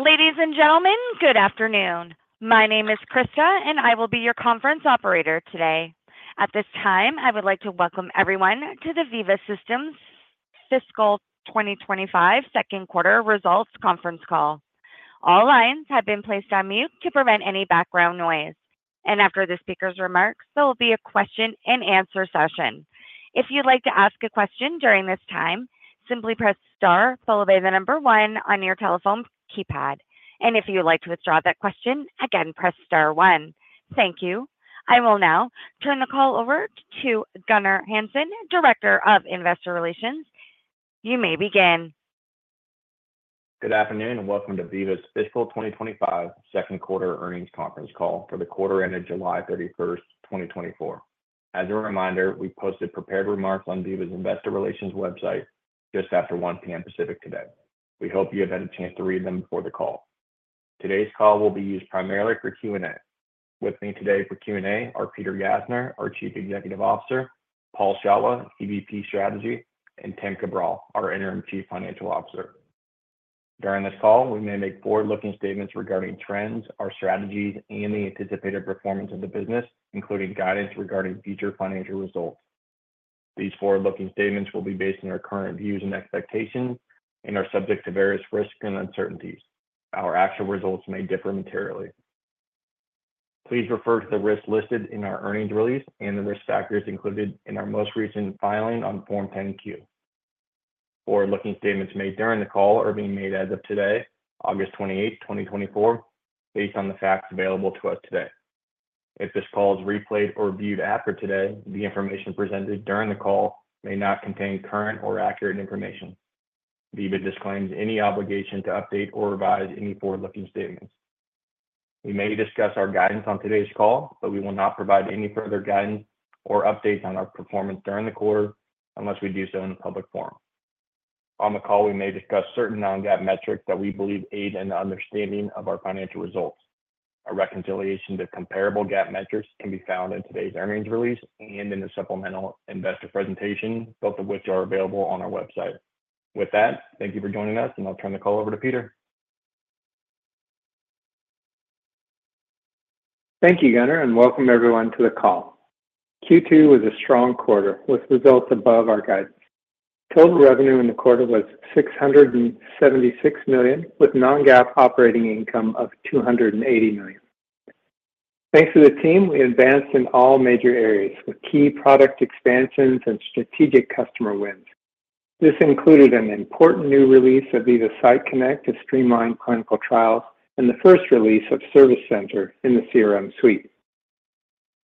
Ladies and gentlemen, good afternoon. My name is Krista, and I will be your conference operator today. At this time, I would like to welcome everyone to the Veeva Systems Fiscal 2025 Second Quarter Results conference call. All lines have been placed on mute to prevent any background noise, and after the speaker's remarks, there will be a question-and-answer session. If you'd like to ask a question during this time, simply press star, followed by the number one on your telephone keypad. And if you'd like to withdraw that question again, press star one. Thank you. I will now turn the call over to Gunnar Hansen, Director of Investor Relations. You may begin. Good afternoon, and welcome to Veeva's Fiscal 2025 second quarter earnings conference call for the quarter ended July 31st, 2024. As a reminder, we posted prepared remarks on Veeva's Investor Relations website just after 1:00 P.M. Pacific today. We hope you have had a chance to read them before the call. Today's call will be used primarily for Q&A. With me today for Q&A are Peter Gassner, our Chief Executive Officer, Paul Shawah, EVP Strategy, and Tim Cabral, our Interim Chief Financial Officer. During this call, we may make forward-looking statements regarding trends, our strategies, and the anticipated performance of the business, including guidance regarding future financial results. These forward-looking statements will be based on our current views and expectations and are subject to various risks and uncertainties. Our actual results may differ materially. Please refer to the risks listed in our earnings release and the risk factors included in our most recent filing on Form 10-Q. Forward-looking statements made during the call are being made as of today, August 28, 2024, based on the facts available to us today. If this call is replayed or viewed after today, the information presented during the call may not contain current or accurate information. Veeva disclaims any obligation to update or revise any forward-looking statements. We may discuss our guidance on today's call, but we will not provide any further guidance or updates on our performance during the quarter unless we do so in a public forum. On the call, we may discuss certain non-GAAP metrics that we believe aid in the understanding of our financial results. A reconciliation to comparable GAAP metrics can be found in today's earnings release and in the supplemental investor presentation, both of which are available on our website. With that, thank you for joining us, and I'll turn the call over to Peter. Thank you, Gunnar, and welcome everyone to the call. Q2 was a strong quarter with results above our guidance. Total revenue in the quarter was $676 million, with non-GAAP operating income of $280 million. Thanks to the team, we advanced in all major areas with key product expansions and strategic customer wins. This included an important new release of Veeva Site Connect to streamline clinical trials and the first release of Service Center in the CRM suite.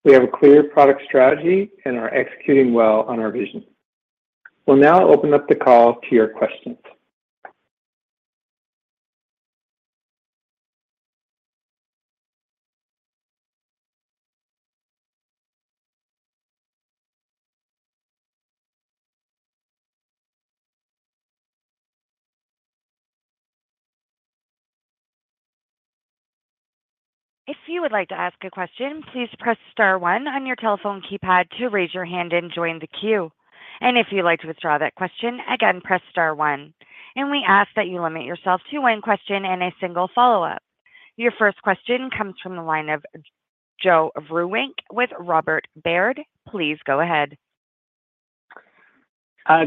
We have a clear product strategy and are executing well on our vision. We'll now open up the call to your questions. If you would like to ask a question, please press star one on your telephone keypad to raise your hand and join the queue. And if you'd like to withdraw that question again, press star one, and we ask that you limit yourself to one question and a single follow-up. Your first question comes from the line of Joe Vruwink with Robert Baird. Please go ahead.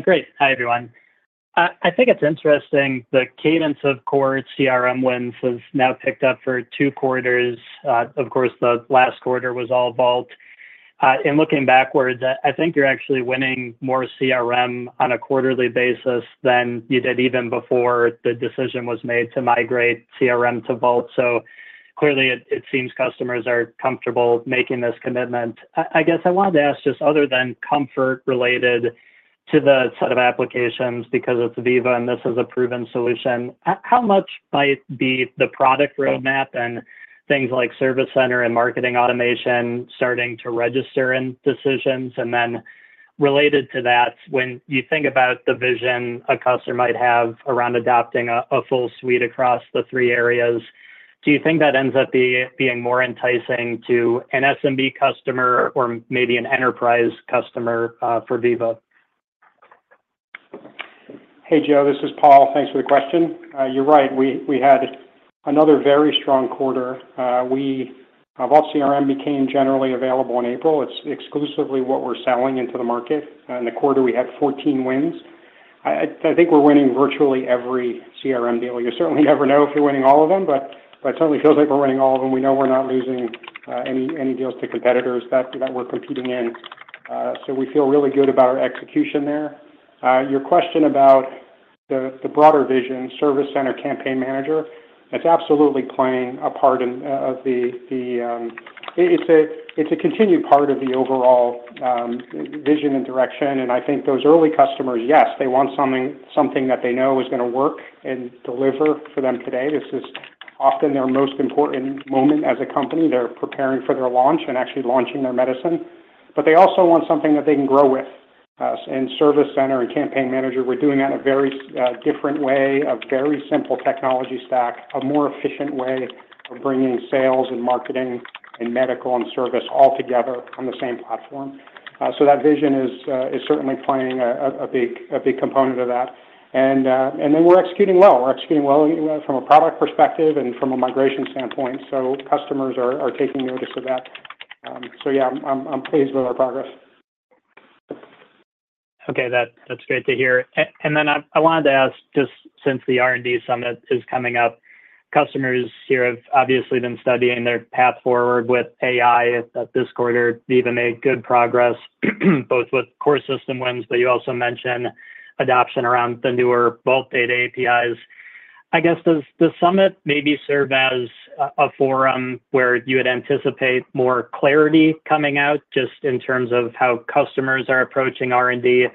Great. Hi, everyone. I think it's interesting, the cadence of core CRM wins has now picked up for two quarters. Of course, the last quarter was all Vault. In looking backwards, I think you're actually winning more CRM on a quarterly basis than you did even before the decision was made to migrate CRM to Vault. So clearly, it seems customers are comfortable making this commitment. I guess I wanted to ask, just other than comfort related to the set of applications, because it's Veeva and this is a proven solution, how much might be the product roadmap and things like Service Center and marketing automation starting to register in decisions? And then related to that, when you think about the vision a customer might have around adopting a full suite across the three areas, do you think that ends up being more enticing to an SMB customer or maybe an enterprise customer for Veeva? Hey, Joe, this is Paul. Thanks for the question. You're right, we had another very strong quarter. Vault CRM became generally available in April. It's exclusively what we're selling into the market, and in the quarter, we had 14 wins. I think we're winning virtually every CRM deal. You certainly never know if you're winning all of them, but it certainly feels like we're winning all of them. We know we're not losing any deals to competitors that we're competing in. So we feel really good about our execution there. Your question about the broader vision Service Center, Campaign Manager, it's absolutely playing a part in of the... It's a continued part of the overall vision and direction, and I think those early customers, yes, they want something that they know is going to work and deliver for them today. This is often their most important moment as a company. They're preparing for their launch and actually launching their medicine, but they also want something that they can grow with. And Service Center and Campaign Manager, we're doing that in a very different way, a very simple technology stack, a more efficient way of bringing sales and marketing and medical and service all together on the same platform. So that vision is certainly playing a big component of that. And then we're executing well. We're executing well from a product perspective and from a migration standpoint, so customers are taking notice of that. I'm pleased with our progress. Okay, that's great to hear. And then I wanted to ask, just since the R&D Summit is coming up, customers here have obviously been studying their path forward with AI this quarter, even made good progress, both with core system wins, but you also mentioned adoption around the newer Vault Direct Data APIs. I guess, does the summit maybe serve as a forum where you would anticipate more clarity coming out, just in terms of how customers are approaching R&D?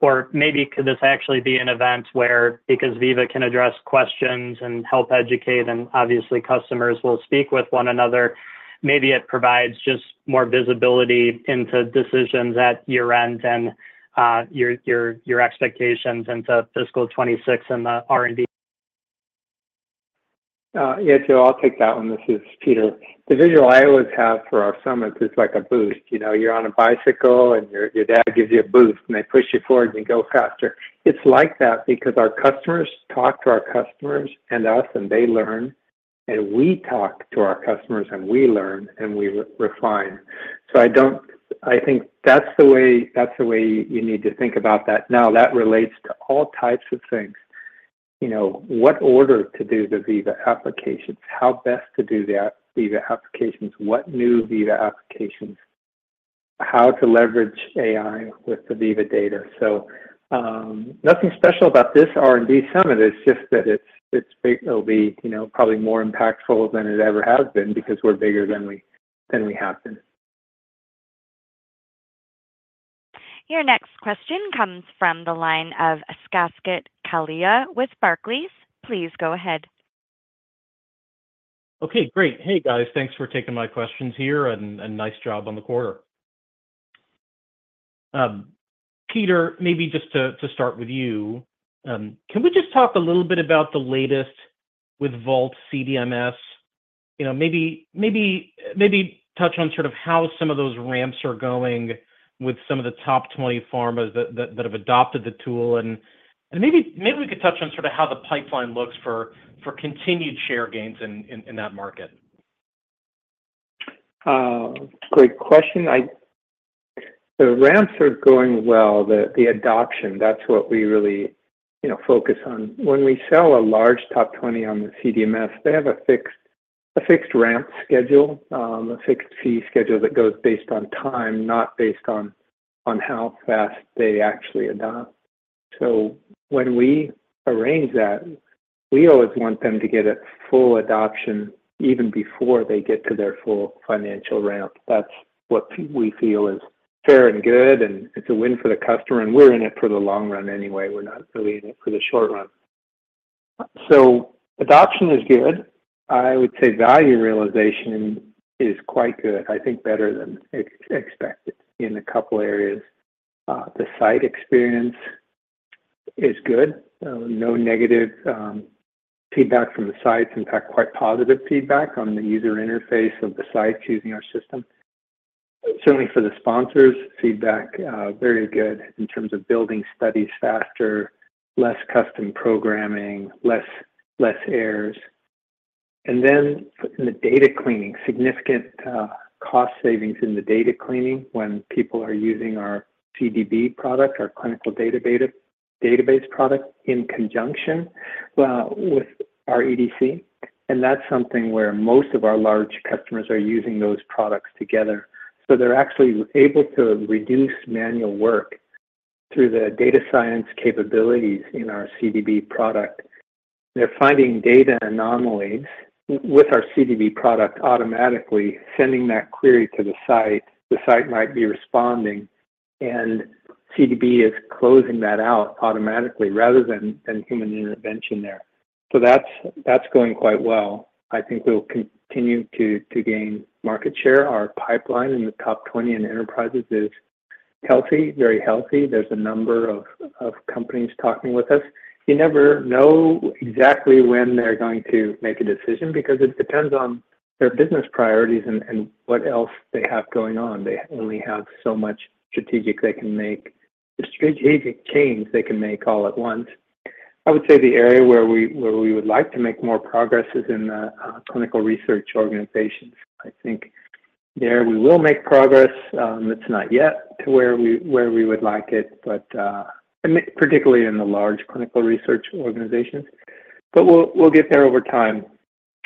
Or maybe could this actually be an event where, because Veeva can address questions and help educate, and obviously customers will speak with one another, maybe it provides just more visibility into decisions at year-end and your expectations into fiscal twenty-six and the R&D? Yeah, so I'll take that one. This is Peter. The visual I always have for our summits is like a boost. You know, you're on a bicycle, and your dad gives you a boost, and they push you forward, and you go faster. It's like that because our customers talk to our customers and us, and they learn, and we talk to our customers, and we learn, and we refine. So I don't. I think that's the way, that's the way you need to think about that. Now, that relates to all types of things. You know, what order to do the Veeva applications, how best to do the Veeva applications, what new Veeva applications, how to leverage AI with the Veeva data. So, nothing special about this R&D Summit. It's just that it's big. It'll be, you know, probably more impactful than it ever has been because we're bigger than we have been. Your next question comes from the line of Saket Kalia with Barclays. Please go ahead. Okay, great. Hey, guys. Thanks for taking my questions here, and nice job on the quarter. Peter, maybe just to start with you, can we just talk a little bit about the latest with Vault CDMS? You know, maybe touch on sort of how some of those ramps are going with some of the top 20 pharmas that have adopted the tool, and maybe we could touch on sort of how the pipeline looks for continued share gains in that market. Great question. The ramps are going well. The adoption, that's what we really, you know, focus on. When we sell a large top twenty on the CDMS, they have a fixed ramp schedule, a fixed fee schedule that goes based on time, not based on how fast they actually adopt. So when we arrange that, we always want them to get a full adoption even before they get to their full financial ramp. That's what we feel is fair and good, and it's a win for the customer, and we're in it for the long run anyway. We're not really in it for the short run. So adoption is good. I would say value realization is quite good. I think better than expected in a couple areas. The site experience is good. No negative feedback from the sites. In fact, quite positive feedback on the user interface of the site choosing our system. Certainly for the sponsors, feedback very good in terms of building studies faster, less custom programming, less errors. And then in the data cleaning, significant cost savings in the data cleaning when people are using our CDB product, our clinical database product, in conjunction with our EDC. And that's something where most of our large customers are using those products together. So they're actually able to reduce manual work through the data science capabilities in our CDB product. They're finding data anomalies with our CDB product, automatically sending that query to the site. The site might be responding, and CDB is closing that out automatically rather than human intervention there. So that's going quite well. I think we'll continue to gain market share. Our pipeline in the top twenty in enterprises is healthy, very healthy. There's a number of companies talking with us. You never know exactly when they're going to make a decision because it depends on their business priorities and what else they have going on. They only have so much strategic they can make, strategic change they can make all at once. I would say the area where we would like to make more progress is in the clinical research organizations. I think there, we will make progress. It's not yet to where we would like it, but and particularly in the large clinical research organizations. But we'll get there over time.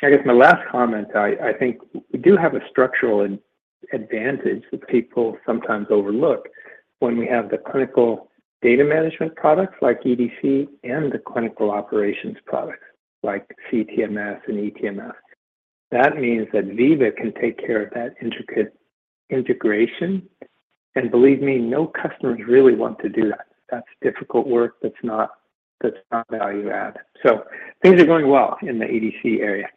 I guess my last comment. I think we do have a structural advantage that people sometimes overlook when we have the clinical data management products like EDC and the clinical operations products like CTMS and eTMF. That means that Veeva can take care of that intricate integration, and believe me, no customers really want to do that. That's difficult work. That's not value add. So things are going well in the EDC area.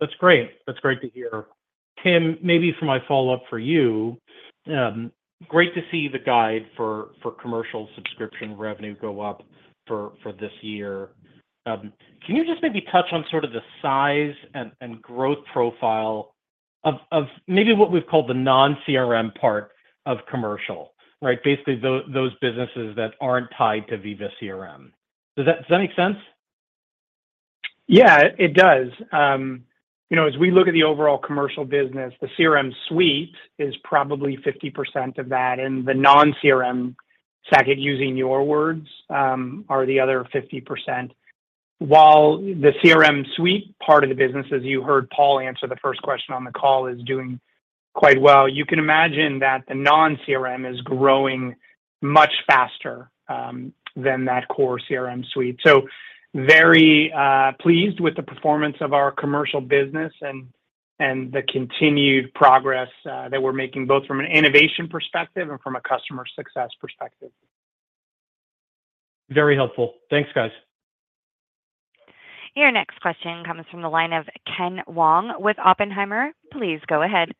That's great. That's great to hear. Tim, maybe for my follow-up for you, great to see the guide for commercial subscription revenue go up for this year. Can you just maybe touch on sort of the size and growth profile of maybe what we've called the non-CRM part of commercial, right? Basically, those businesses that aren't tied to Veeva CRM. Does that make sense? Yeah, it does. You know, as we look at the overall commercial business, the CRM suite is probably 50% of that, and the non-CRM second, using your words, are the other 50%. While the CRM suite part of the business, as you heard Paul answer the first question on the call, is doing quite well, you can imagine that the non-CRM is growing much faster than that core CRM suite. So very pleased with the performance of our commercial business and the continued progress that we're making, both from an innovation perspective and from a customer success perspective. Very helpful. Thanks, guys. Your next question comes from the line of Ken Wong with Oppenheimer. Please go ahead.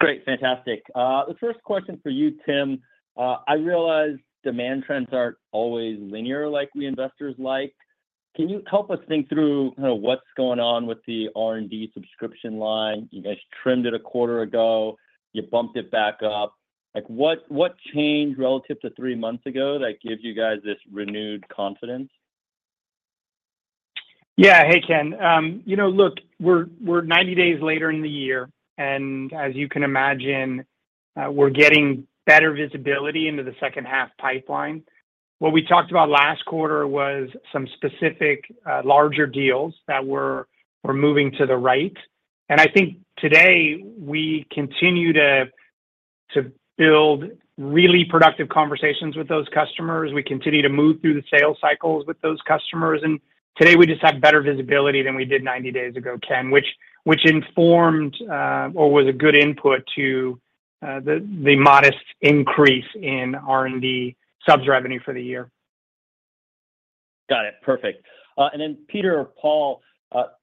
Great. Fantastic. The first question for you, Tim. I realize demand trends aren't always linear, like we investors like. Can you help us think through kind of what's going on with the R&D subscription line? You guys trimmed it a quarter ago, you bumped it back up. Like, what, what changed relative to three months ago that gives you guys this renewed confidence? Yeah. Hey, Ken. You know, look, we're ninety days later in the year, and as you can imagine, we're getting better visibility into the second half pipeline. What we talked about last quarter was some specific larger deals that were moving to the right. And I think today, we continue to build really productive conversations with those customers. We continue to move through the sales cycles with those customers, and today we just have better visibility than we did ninety days ago, Ken, which informed or was a good input to the modest increase in R&D subs revenue for the year. Got it. Perfect. And then, Peter or Paul,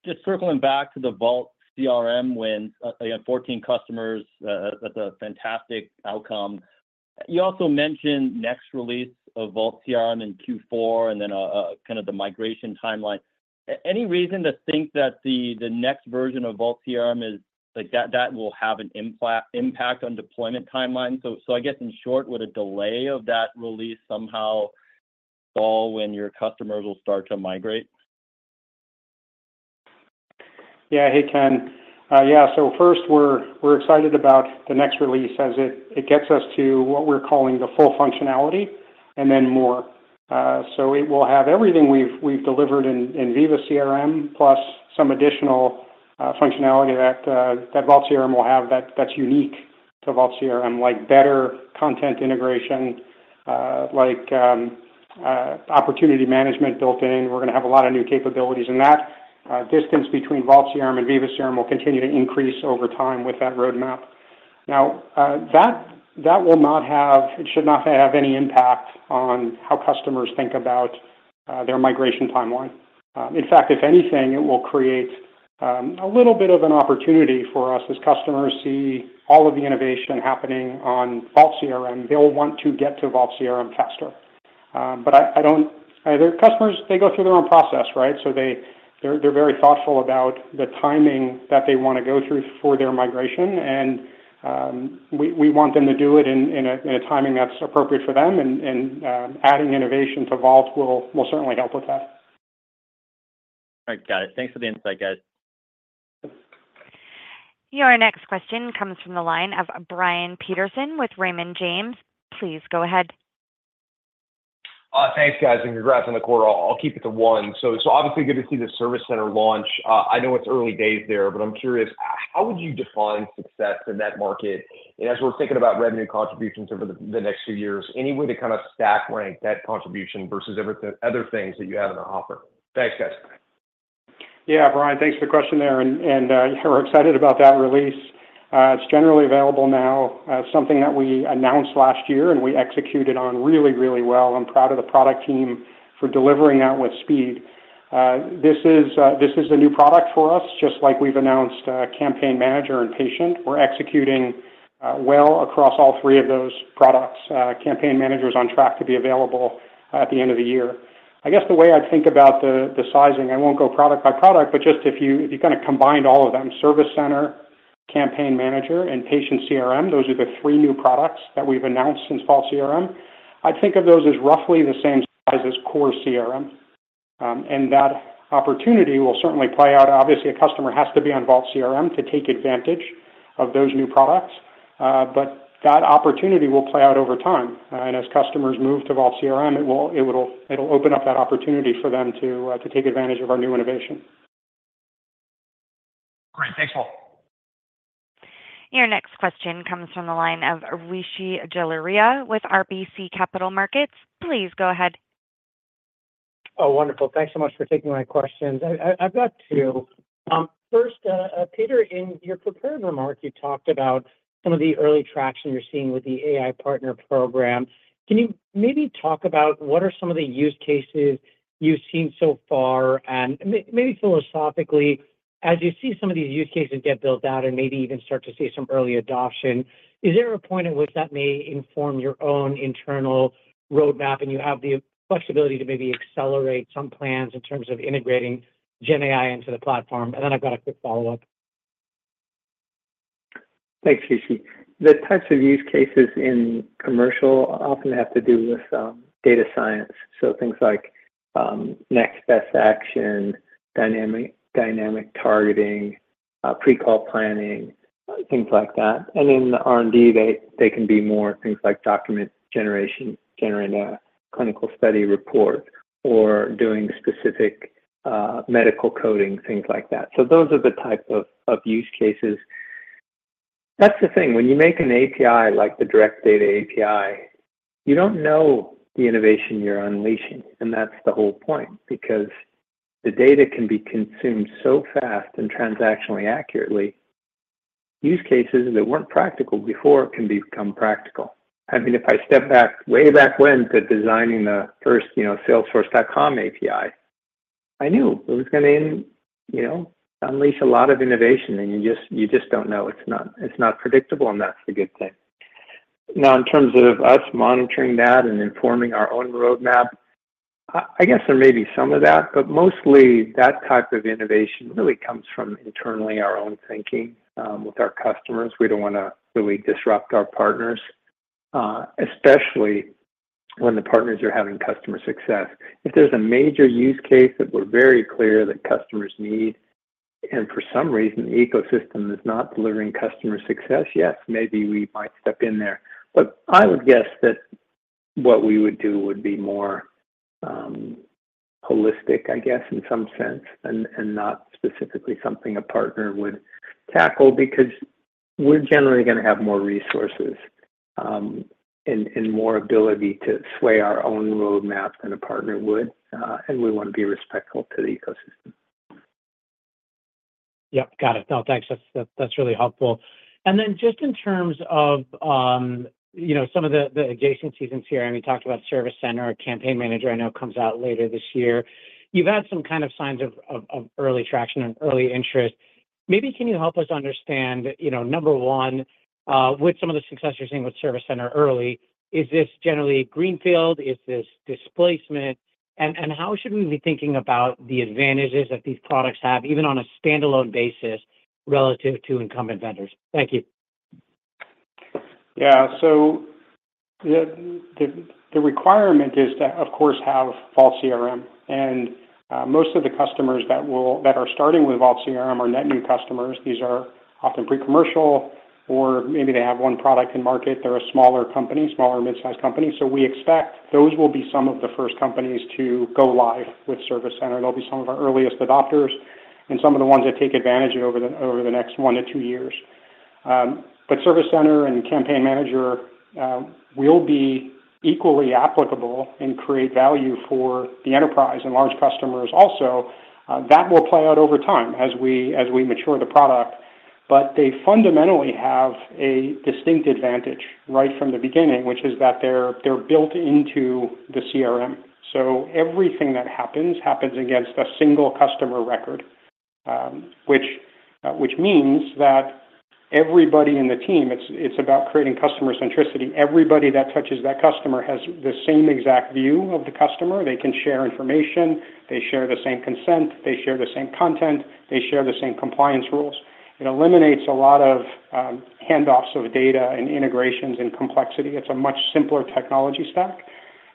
just circling back to the Vault CRM wins, you had 14 customers. That's a fantastic outcome. You also mentioned next release of Vault CRM in Q4 and then, kind of the migration timeline. Any reason to think that the next version of Vault CRM is, like, that will have an impact on deployment timeline? So, I guess, in short, would a delay of that release somehow fall when your customers will start to migrate? Yeah. Hey, Ken. Yeah, so first we're excited about the next release, as it gets us to what we're calling the full functionality and then more. So it will have everything we've delivered in Veeva CRM, plus some additional functionality that Vault CRM will have that's unique to Vault CRM, like better content integration, like opportunity management built in. We're gonna have a lot of new capabilities, and that distance between Vault CRM and Veeva CRM will continue to increase over time with that roadmap. Now, that will not have, it should not have any impact on how customers think about their migration timeline. In fact, if anything, it will create a little bit of an opportunity for us. As customers see all of the innovation happening on Vault CRM, they'll want to get to Vault CRM faster. But their customers, they go through their own process, right? So they're very thoughtful about the timing that they wanna go through for their migration, and we want them to do it in a timing that's appropriate for them, and adding innovation to Vault will certainly help with that. All right. Got it. Thanks for the insight, guys. Your next question comes from the line of Brian Peterson with Raymond James. Please go ahead. Thanks, guys, and congrats on the quarter. I'll keep it to one. So, so obviously good to see the Service Center launch. I know it's early days there, but I'm curious, how would you define success in that market? And as we're thinking about revenue contributions over the next few years, any way to kind of stack rank that contribution versus other things that you have on offer? Thanks, guys. Yeah, Brian, thanks for the question there, and we're excited about that release. It's generally available now. Something that we announced last year, and we executed on really, really well. I'm proud of the product team for delivering that with speed. This is a new product for us, just like we've announced Campaign Manager and Patient. We're executing well across all three of those products. Campaign Manager is on track to be available at the end of the year. I guess the way I'd think about the sizing, I won't go product by product, but just if you kind of combined all of them, Service Center, Campaign Manager, and Patient CRM, those are the three new products that we've announced since Vault CRM. I'd think of those as roughly the same size as core CRM, and that opportunity will certainly play out. Obviously, a customer has to be on Vault CRM to take advantage of those new products, but that opportunity will play out over time, and as customers move to Vault CRM, it will open up that opportunity for them to take advantage of our new innovation. Great. Thanks, Paul. Your next question comes from the line of Rishi Jaluria with RBC Capital Markets. Please go ahead. Oh, wonderful. Thanks so much for taking my questions. I've got two. First, Peter, in your prepared remarks, you talked about some of the early traction you're seeing with the AI partner program. Can you maybe talk about what are some of the use cases you've seen so far? And maybe philosophically, as you see some of these use cases get built out and maybe even start to see some early adoption, is there a point at which that may inform your own internal roadmap, and you have the flexibility to maybe accelerate some plans in terms of integrating GenAI into the platform? And then I've got a quick follow-up. Thanks, Rishi. The types of use cases in commercial often have to do with data science, so things like next best action, dynamic targeting, pre-call planning, things like that. And in the R&D, they can be more things like document generation, generating a clinical study report, or doing specific medical coding, things like that. So those are the type of use cases. That's the thing, when you make an API, like the Direct Data API, you don't know the innovation you're unleashing, and that's the whole point, because the data can be consumed so fast and transactionally accurately, use cases that weren't practical before can become practical. I mean, if I step back, way back when, to designing the first, you know, Salesforce.com API, I knew it was gonna, you know, unleash a lot of innovation, and you just don't know. It's not predictable, and that's a good thing. Now, in terms of us monitoring that and informing our own roadmap, I guess there may be some of that, but mostly that type of innovation really comes from internally, our own thinking with our customers. We don't wanna really disrupt our partners, especially when the partners are having customer success. If there's a major use case that we're very clear that customers need, and for some reason the ecosystem is not delivering customer success, yes, maybe we might step in there. But I would guess that what we would do would be more, holistic, I guess, in some sense, and not specifically something a partner would tackle, because we're generally gonna have more resources, and more ability to sway our own roadmap than a partner would, and we want to be respectful to the ecosystem. Yep, got it. No, thanks, that's, that's really helpful. And then just in terms of, you know, some of the adjacencies in CRM, you talked about Service Center, Campaign Manager I know comes out later this year. You've had some kind of signs of early traction and early interest. Maybe can you help us understand, you know, number one, with some of the success you're seeing with Service Center early, is this generally greenfield? Is this displacement? And, and how should we be thinking about the advantages that these products have, even on a standalone basis, relative to incumbent vendors? Thank you. Yeah. So the requirement is to, of course, have Vault CRM, and most of the customers that are starting with Vault CRM are net new customers. These are often pre-commercial, or maybe they have one product in market. They're a smaller company, smaller mid-sized company. So we expect those will be some of the first companies to go live with Service Center. They'll be some of our earliest adopters, and some of the ones that take advantage over the next one to two years. But Service Center and Campaign Manager will be equally applicable and create value for the enterprise and large customers also. That will play out over time, as we mature the product, but they fundamentally have a distinct advantage right from the beginning, which is that they're built into the CRM. So everything that happens happens against a single customer record, which means that everybody in the team, it's about creating customer centricity. Everybody that touches that customer has the same exact view of the customer. They can share information, they share the same consent, they share the same content, they share the same compliance rules. It eliminates a lot of handoffs of data and integrations and complexity. It's a much simpler technology stack,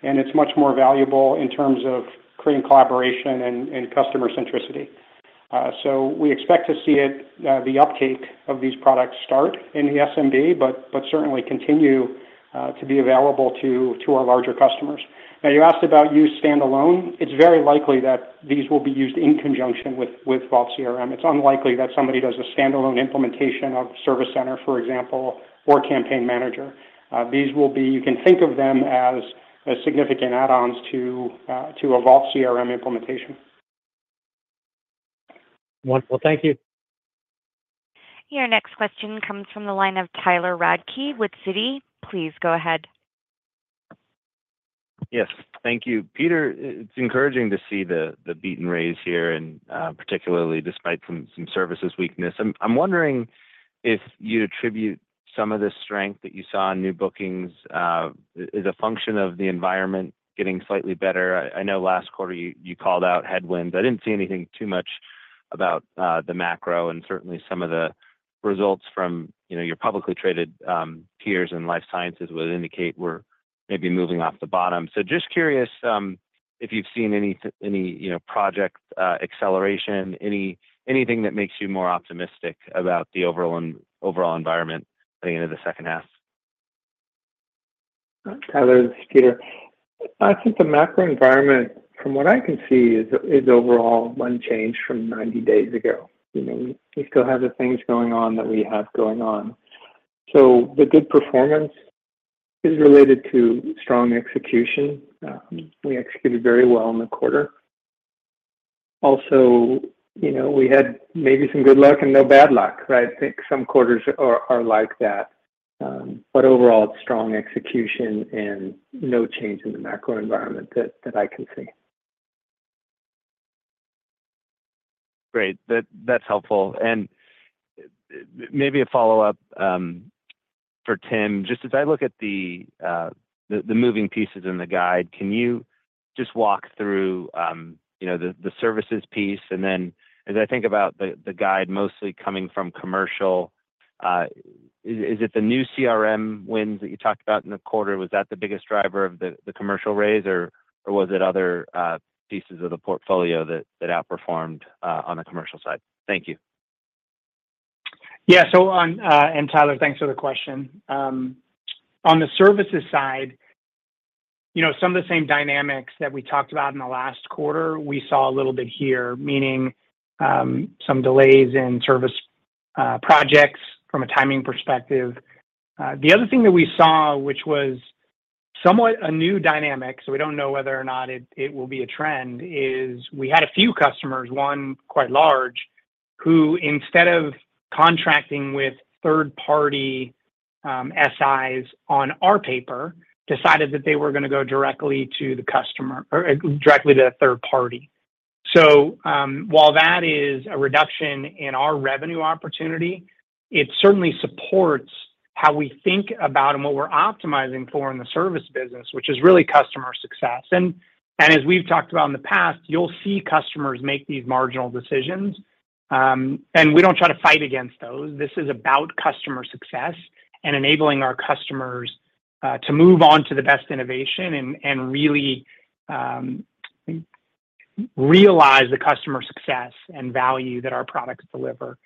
and it's much more valuable in terms of creating collaboration and customer centricity, so we expect to see it, the uptake of these products start in the SMB, but certainly continue to be available to our larger customers. Now, you asked about use standalone. It's very likely that these will be used in conjunction with Vault CRM. It's unlikely that somebody does a standalone implementation of Service Center, for example, or Campaign Manager. These will be. You can think of them as significant add-ons to a Vault CRM implementation. Wonderful. Thank you. Your next question comes from the line of Tyler Radke with Citi. Please go ahead. Yes, thank you. Peter, it's encouraging to see the beat and raise here, and particularly despite some services weakness. I'm wondering if you attribute some of the strength that you saw in new bookings as a function of the environment getting slightly better? I know last quarter you called out headwinds. I didn't see anything too much about the macro, and certainly some of the results from, you know, your publicly traded peers in life sciences would indicate we're maybe moving off the bottom. So just curious if you've seen any, you know, project acceleration, anything that makes you more optimistic about the overall environment heading into the second half? Tyler, this is Peter. I think the macro environment, from what I can see, is overall unchanged from ninety days ago. You know, we still have the things going on that we had going on. So the good performance is related to strong execution. We executed very well in the quarter. Also, you know, we had maybe some good luck and no bad luck, right? I think some quarters are like that. But overall, it's strong execution and no change in the macro environment that I can see. Great. That, that's helpful. And maybe a follow-up for Tim, just as I look at the moving pieces in the guide, can you just walk through, you know, the services piece? And then as I think about the guide mostly coming from commercial, is it the new CRM wins that you talked about in the quarter, was that the biggest driver of the commercial raise, or was it other pieces of the portfolio that outperformed on the commercial side? Thank you. Yeah. So on and Tyler, thanks for the question. On the services side, you know, some of the same dynamics that we talked about in the last quarter, we saw a little bit here, meaning some delays in service projects from a timing perspective. The other thing that we saw, which was somewhat a new dynamic, so we don't know whether or not it will be a trend, is we had a few customers, one quite large, who instead of contracting with third-party SIs on our platform, decided that they were gonna go directly to the customer or directly to the third party. So while that is a reduction in our revenue opportunity, it certainly supports how we think about and what we're optimizing for in the service business, which is really customer success. As we've talked about in the past, you'll see customers make these marginal decisions, and we don't try to fight against those. This is about customer success and enabling our customers to move on to the best innovation and really realize the customer success and value that our products deliver.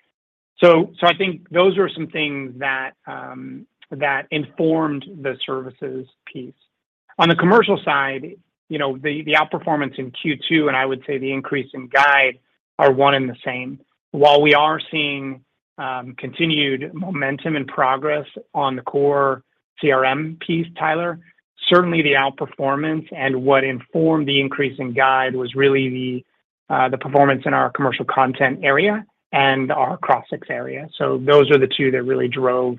So I think those are some things that informed the services piece. On the commercial side, you know, the outperformance in Q2, and I would say the increase in guide, are one and the same. While we are seeing continued momentum and progress on the core CRM piece, Tyler, certainly the outperformance and what informed the increase in guide was really the performance in our commercial content area and our Crossix area. So those are the two that really drove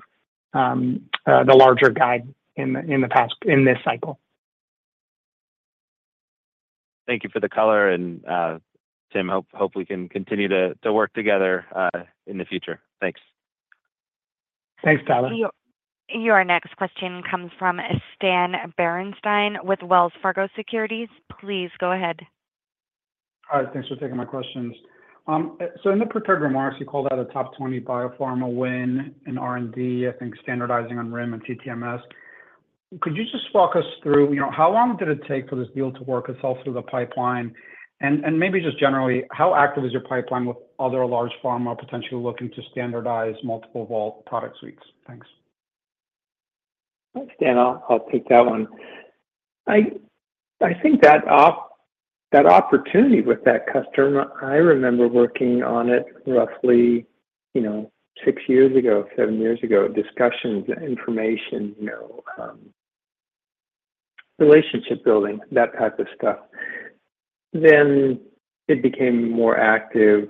the larger guide in this cycle. Thank you for the color, and, Tim, hope we can continue to work together in the future. Thanks. Thanks, Tyler. Your next question comes from Stan Berenshteyn with Wells Fargo Securities. Please go ahead. Hi, thanks for taking my questions. So in the prepared remarks, you called out a top twenty biopharma win in R&D, I think standardizing on RIM and CTMS. Could you just walk us through, you know, how long did it take for this deal to work itself through the pipeline? And maybe just generally, how active is your pipeline with other large pharma potentially looking to standardize multiple Vault product suites? Thanks. Stan, I'll take that one. I think that opportunity with that customer, I remember working on it roughly, you know, six years ago, seven years ago. Discussions, information, you know, relationship building, that type of stuff. Then it became more active,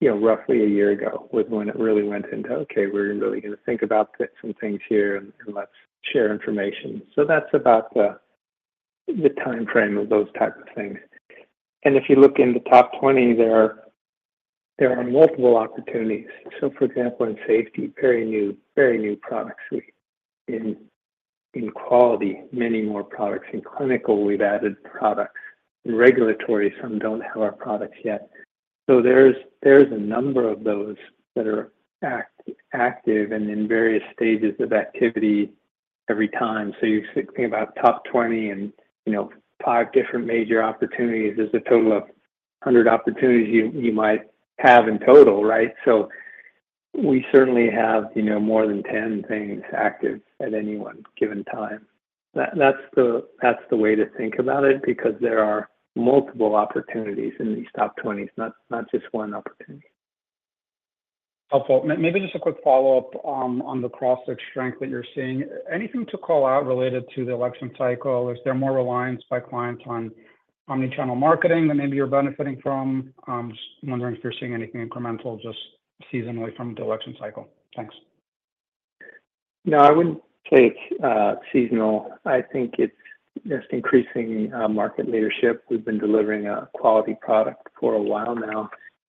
you know, roughly a year ago, was when it really went into, "Okay, we're really gonna think about some things here, and let's share information." So that's about the timeframe of those type of things. And if you look in the top twenty, there are multiple opportunities. So, for example, in safety, very new product suite. In quality, many more products. In clinical, we've added products. In regulatory, some don't have our products yet. So there's a number of those that are active and in various stages of activity every time. So you're thinking about top 20 and, you know, 5 different major opportunities is a total of 100 opportunities you might have in total, right? So we certainly have, you know, more than 10 things active at any one given time. That's the way to think about it, because there are multiple opportunities in these top 20s, not just one opportunity. Helpful. Maybe just a quick follow-up, on the Crossix strength that you're seeing. Anything to call out related to the election cycle? Is there more reliance by clients on omni-channel marketing that maybe you're benefiting from? I'm just wondering if you're seeing anything incremental, just seasonally from the election cycle. Thanks. No, I wouldn't say it's seasonal. I think it's just increasing market leadership. We've been delivering a quality product for a while now,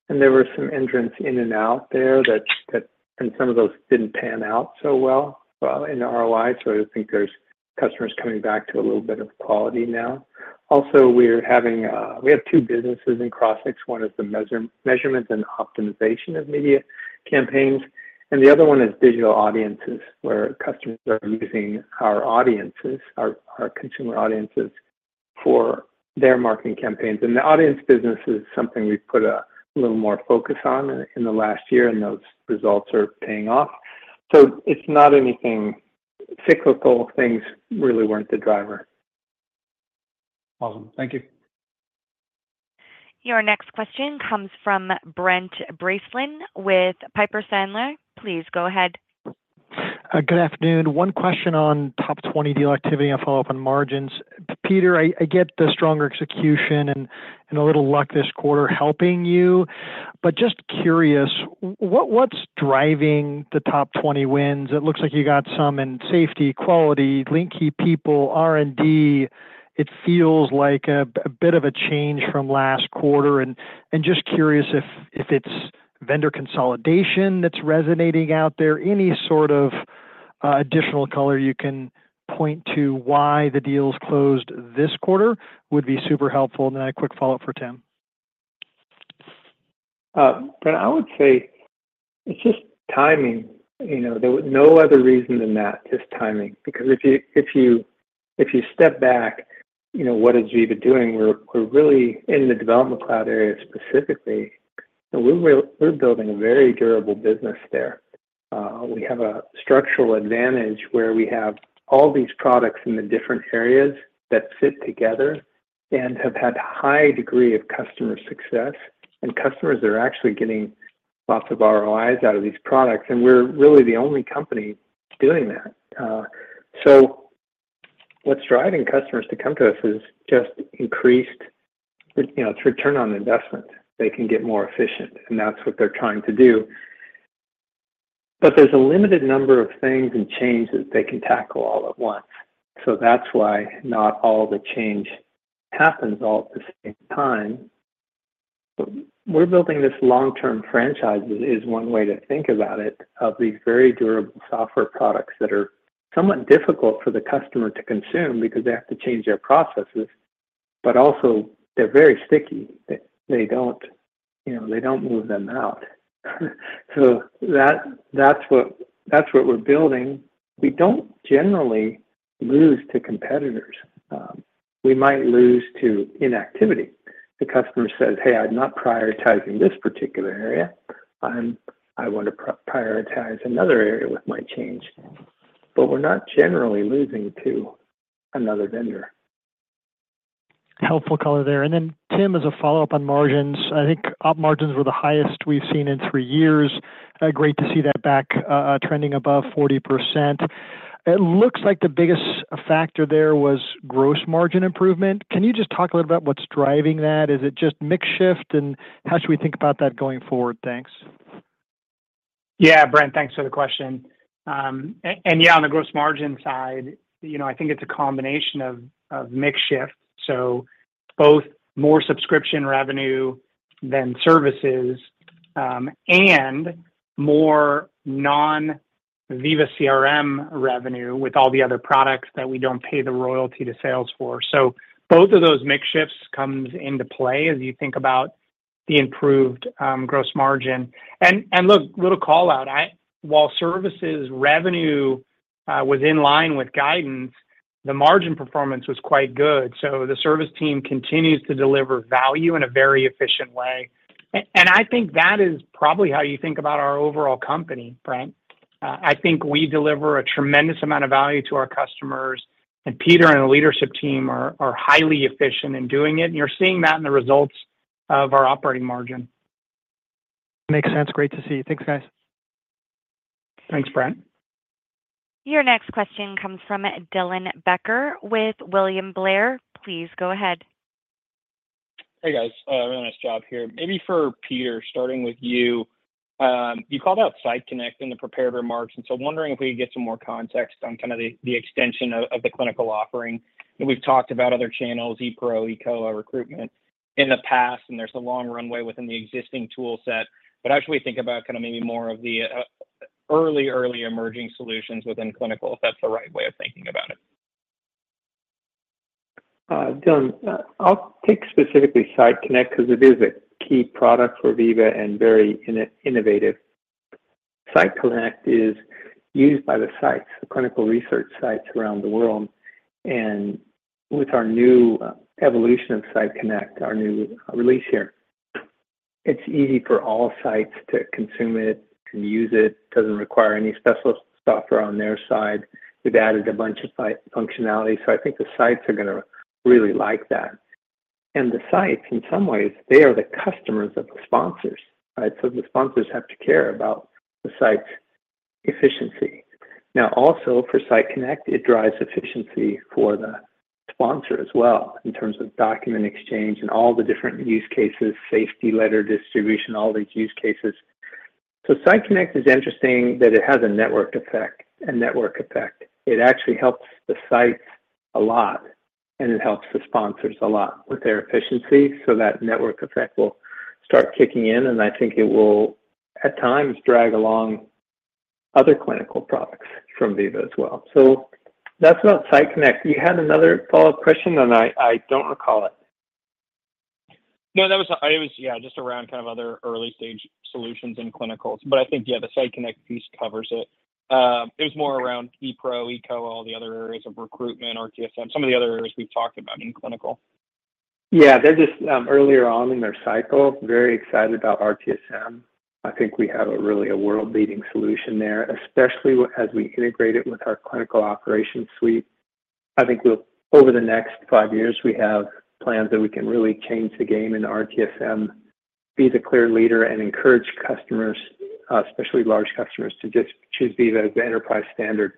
and there were some entrants in and out there that and some of those didn't pan out so well in ROI. So I think there's customers coming back to a little bit of quality now. Also, we have two businesses in Crossix. One is the measurement and optimization of media campaigns, and the other one is digital audiences, where customers are using our audiences, our consumer audiences, for their marketing campaigns, and the audience business is something we've put a little more focus on in the last year, and those results are paying off, so it's not anything cyclical. Things really weren't the driver. Awesome. Thank you. Your next question comes from Brent Bracelin with Piper Sandler. Please go ahead. Good afternoon. One question on Top 20 deal activity and follow-up on margins. Peter, I get the stronger execution and a little luck this quarter helping you, but just curious, what's driving the Top 20 wins? It looks like you got some in safety, quality, Link Key People, R&D. It feels like a bit of a change from last quarter, and just curious if it's vendor consolidation that's resonating out there? Any sort of additional color you can point to why the deals closed this quarter would be super helpful. And then a quick follow-up for Tim. But I would say it's just timing. You know, there was no other reason than that, just timing. Because if you step back, you know, what is Veeva doing? We're really in the Development Cloud area specifically, and we're building a very durable business there. We have a structural advantage where we have all these products in the different areas that fit together and have had high degree of customer success, and customers are actually getting lots of ROIs out of these products, and we're really the only company doing that. So what's driving customers to come to us is just increased, you know, return on investment. They can get more efficient, and that's what they're trying to do. But there's a limited number of things and changes they can tackle all at once. So that's why not all the change happens all at the same time. But we're building this long-term franchise, is one way to think about it, of these very durable software products that are somewhat difficult for the customer to consume because they have to change their processes, but also they're very sticky. They, they don't, you know, they don't move them out. So that, that's what, that's what we're building. We don't generally lose to competitors. We might lose to inactivity. The customer says, "Hey, I'm not prioritizing this particular area. I'm-- I want to prioritize another area with my change." But we're not generally losing to another vendor. Helpful color there. And then, Tim, as a follow-up on margins, I think op margins were the highest we've seen in three years. Great to see that back, trending above 40%. It looks like the biggest factor there was gross margin improvement. Can you just talk a little about what's driving that? Is it just mix shift, and how should we think about that going forward? Thanks. Yeah, Brent, thanks for the question. Yeah, on the gross margin side, you know, I think it's a combination of mix shift, so both more subscription revenue than services, and more non-Veeva CRM revenue with all the other products that we don't pay the royalty to Salesforce for. So both of those mix shifts comes into play as you think about the improved gross margin. And look, little call-out, while services revenue was in line with guidance, the margin performance was quite good, so the service team continues to deliver value in a very efficient way. I think that is probably how you think about our overall company, Brent. I think we deliver a tremendous amount of value to our customers, and Peter and the leadership team are highly efficient in doing it, and you're seeing that in the results of our operating margin. Makes sense. Great to see you. Thanks, guys. Thanks, Brent. Your next question comes from Dylan Becker with William Blair. Please go ahead. Hey, guys. Really nice job here. Maybe for Peter, starting with you. You called out Site Connect in the prepared remarks, and so wondering if we could get some more context on kind of the extension of the clinical offering. And we've talked about other channels, ePRO, eCOA recruitment, in the past, and there's a long runway within the existing toolset. But as we think about kind of maybe more of the early emerging solutions within clinical, if that's the right way of thinking about it. Dylan, I'll pick specifically Site Connect, because it is a key product for Veeva and very innovative. Site Connect is used by the sites, the clinical research sites around the world, and with our new evolution of Site Connect, our new release here, it's easy for all sites to consume it, to use it. Doesn't require any special software on their side. We've added a bunch of site functionality, so I think the sites are gonna really like that. And the sites, in some ways, they are the customers of the sponsors, right? So the sponsors have to care about the site's efficiency. Now, also for Site Connect, it drives efficiency for the sponsor as well, in terms of document exchange and all the different use cases, safety letter distribution, all these use cases. So Site Connect is interesting that it has a network effect. It actually helps the sites a lot, and it helps the sponsors a lot with their efficiency, so that network effect will start kicking in, and I think it will, at times, drag along other clinical products from Veeva as well. So that's about Site Connect. You had another follow-up question, and I, I don't recall it. No, that was it was, yeah, just around kind of other early-stage solutions in clinicals, but I think, yeah, the Site Connect piece covers it. It was more around ePRO, eCOA, all the other areas of recruitment, RTSM, some of the other areas we've talked about in clinical. Yeah, they're just earlier on in their cycle. Very excited about RTSM. I think we have a really world-leading solution there, especially as we integrate it with our Clinical Operations Suite. I think we'll over the next five years, we have plans that we can really change the game in RTSM, be the clear leader and encourage customers, especially large customers, to just choose Veeva as the enterprise standard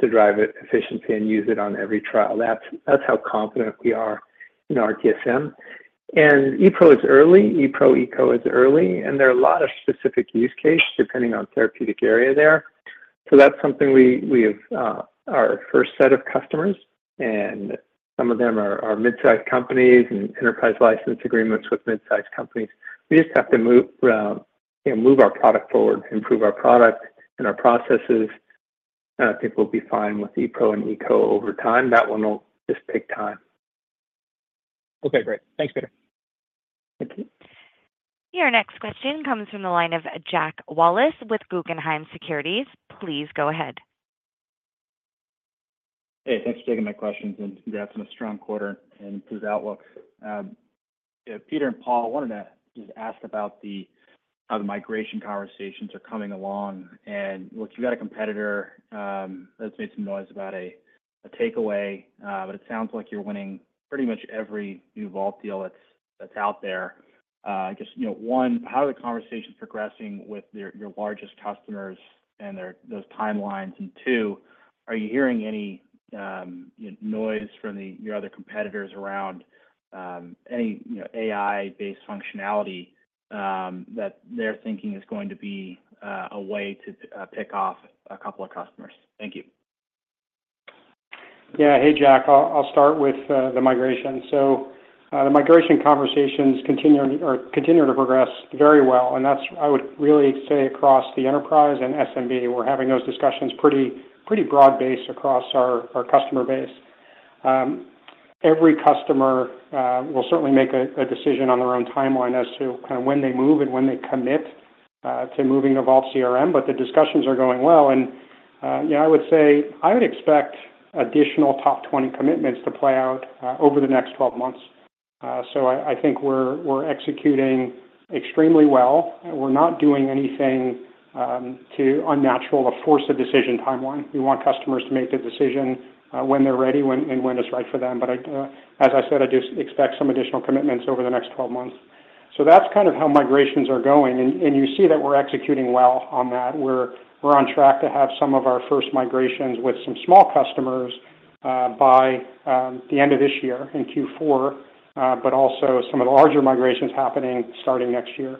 to drive efficiency and use it on every trial. That's, that's how confident we are in RTSM. And ePRO is early. ePRO, eCOA is early, and there are a lot of specific use cases depending on therapeutic area there... So that's something we have, our first set of customers, and some of them are mid-sized companies, and enterprise license agreements with mid-sized companies. We just have to move, you know, move our product forward, improve our product and our processes. I think we'll be fine with ePRO and eCOA over time. That one will just take time. Okay, great. Thanks, Peter. Thank you. Your next question comes from the line of Jack Wallace with Guggenheim Securities. Please go ahead. Hey, thanks for taking my questions, and congrats on a strong quarter and good outlook. Peter and Paul, wanted to just ask about how the migration conversations are coming along. And look, you got a competitor that's made some noise about a takeaway, but it sounds like you're winning pretty much every new Vault deal that's out there. Just, you know, one, how are the conversations progressing with your largest customers and those timelines? And two, are you hearing any noise from your other competitors around any, you know, AI-based functionality that they're thinking is going to be a way to pick off a couple of customers? Thank you. Yeah. Hey, Jack. I'll start with the migration. So, the migration conversations continue to progress very well, and that's, I would really say, across the enterprise and SMB. We're having those discussions pretty broad-based across our customer base. Every customer will certainly make a decision on their own timeline as to kind of when they move and when they commit to moving to Vault CRM, but the discussions are going well. And yeah, I would say I would expect additional top twenty commitments to play out over the next twelve months. So I think we're executing extremely well. We're not doing anything too unnatural to force a decision timeline. We want customers to make the decision when they're ready, when, and when it's right for them. But I, as I said, I do expect some additional commitments over the next twelve months. So that's kind of how migrations are going, and you see that we're executing well on that. We're on track to have some of our first migrations with some small customers by the end of this year in Q4, but also some of the larger migrations happening starting next year.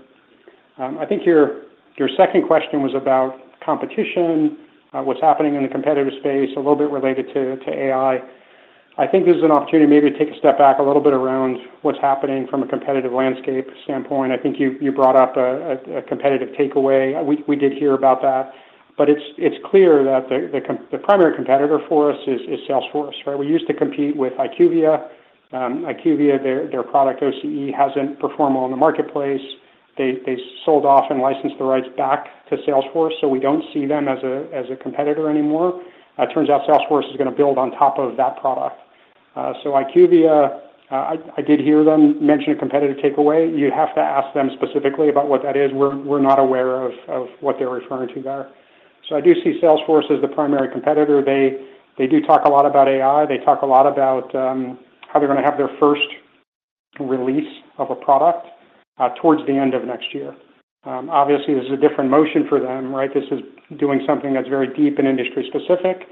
I think your second question was about competition, what's happening in the competitive space, a little bit related to AI. I think there's an opportunity maybe to take a step back a little bit around what's happening from a competitive landscape standpoint. I think you brought up a competitive takeaway. We did hear about that, but it's clear that the primary competitor for us is Salesforce, right? We used to compete with IQVIA. IQVIA, their product, OCE, hasn't performed well in the marketplace. They sold off and licensed the rights back to Salesforce, so we don't see them as a competitor anymore. Turns out Salesforce is gonna build on top of that product. So IQVIA, I did hear them mention a competitive takeaway. You'd have to ask them specifically about what that is. We're not aware of what they're referring to there. So I do see Salesforce as the primary competitor. They do talk a lot about AI. They talk a lot about how they're gonna have their first release of a product towards the end of next year. Obviously, this is a different motion for them, right? This is doing something that's very deep and industry specific,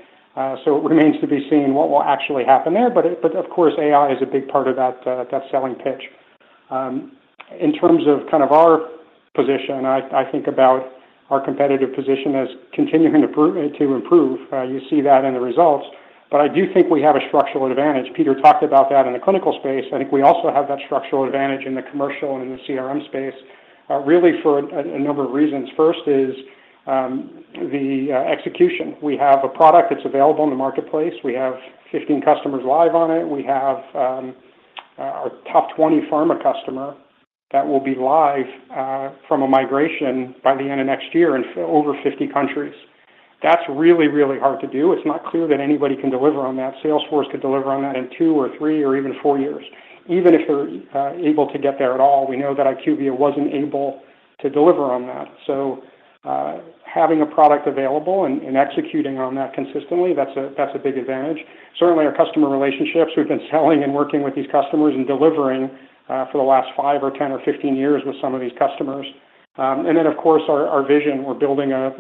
so it remains to be seen what will actually happen there. But of course, AI is a big part of that selling pitch. In terms of kind of our position, I think about our competitive position as continuing to improve. You see that in the results, but I do think we have a structural advantage. Peter talked about that in the clinical space. I think we also have that structural advantage in the commercial and in the CRM space, really for a number of reasons. First is the execution. We have a product that's available in the marketplace. We have 15 customers live on it. We have our top 20 pharma customer that will be live from a migration by the end of next year in over 50 countries. That's really, really hard to do. It's not clear that anybody can deliver on that. Salesforce could deliver on that in two or three or even four years, even if they're able to get there at all. We know that IQVIA wasn't able to deliver on that. So, having a product available and executing on that consistently, that's a big advantage. Certainly, our customer relationships, we've been selling and working with these customers and delivering for the last five or 10 or 15 years with some of these customers. And then, of course, our vision, we're building a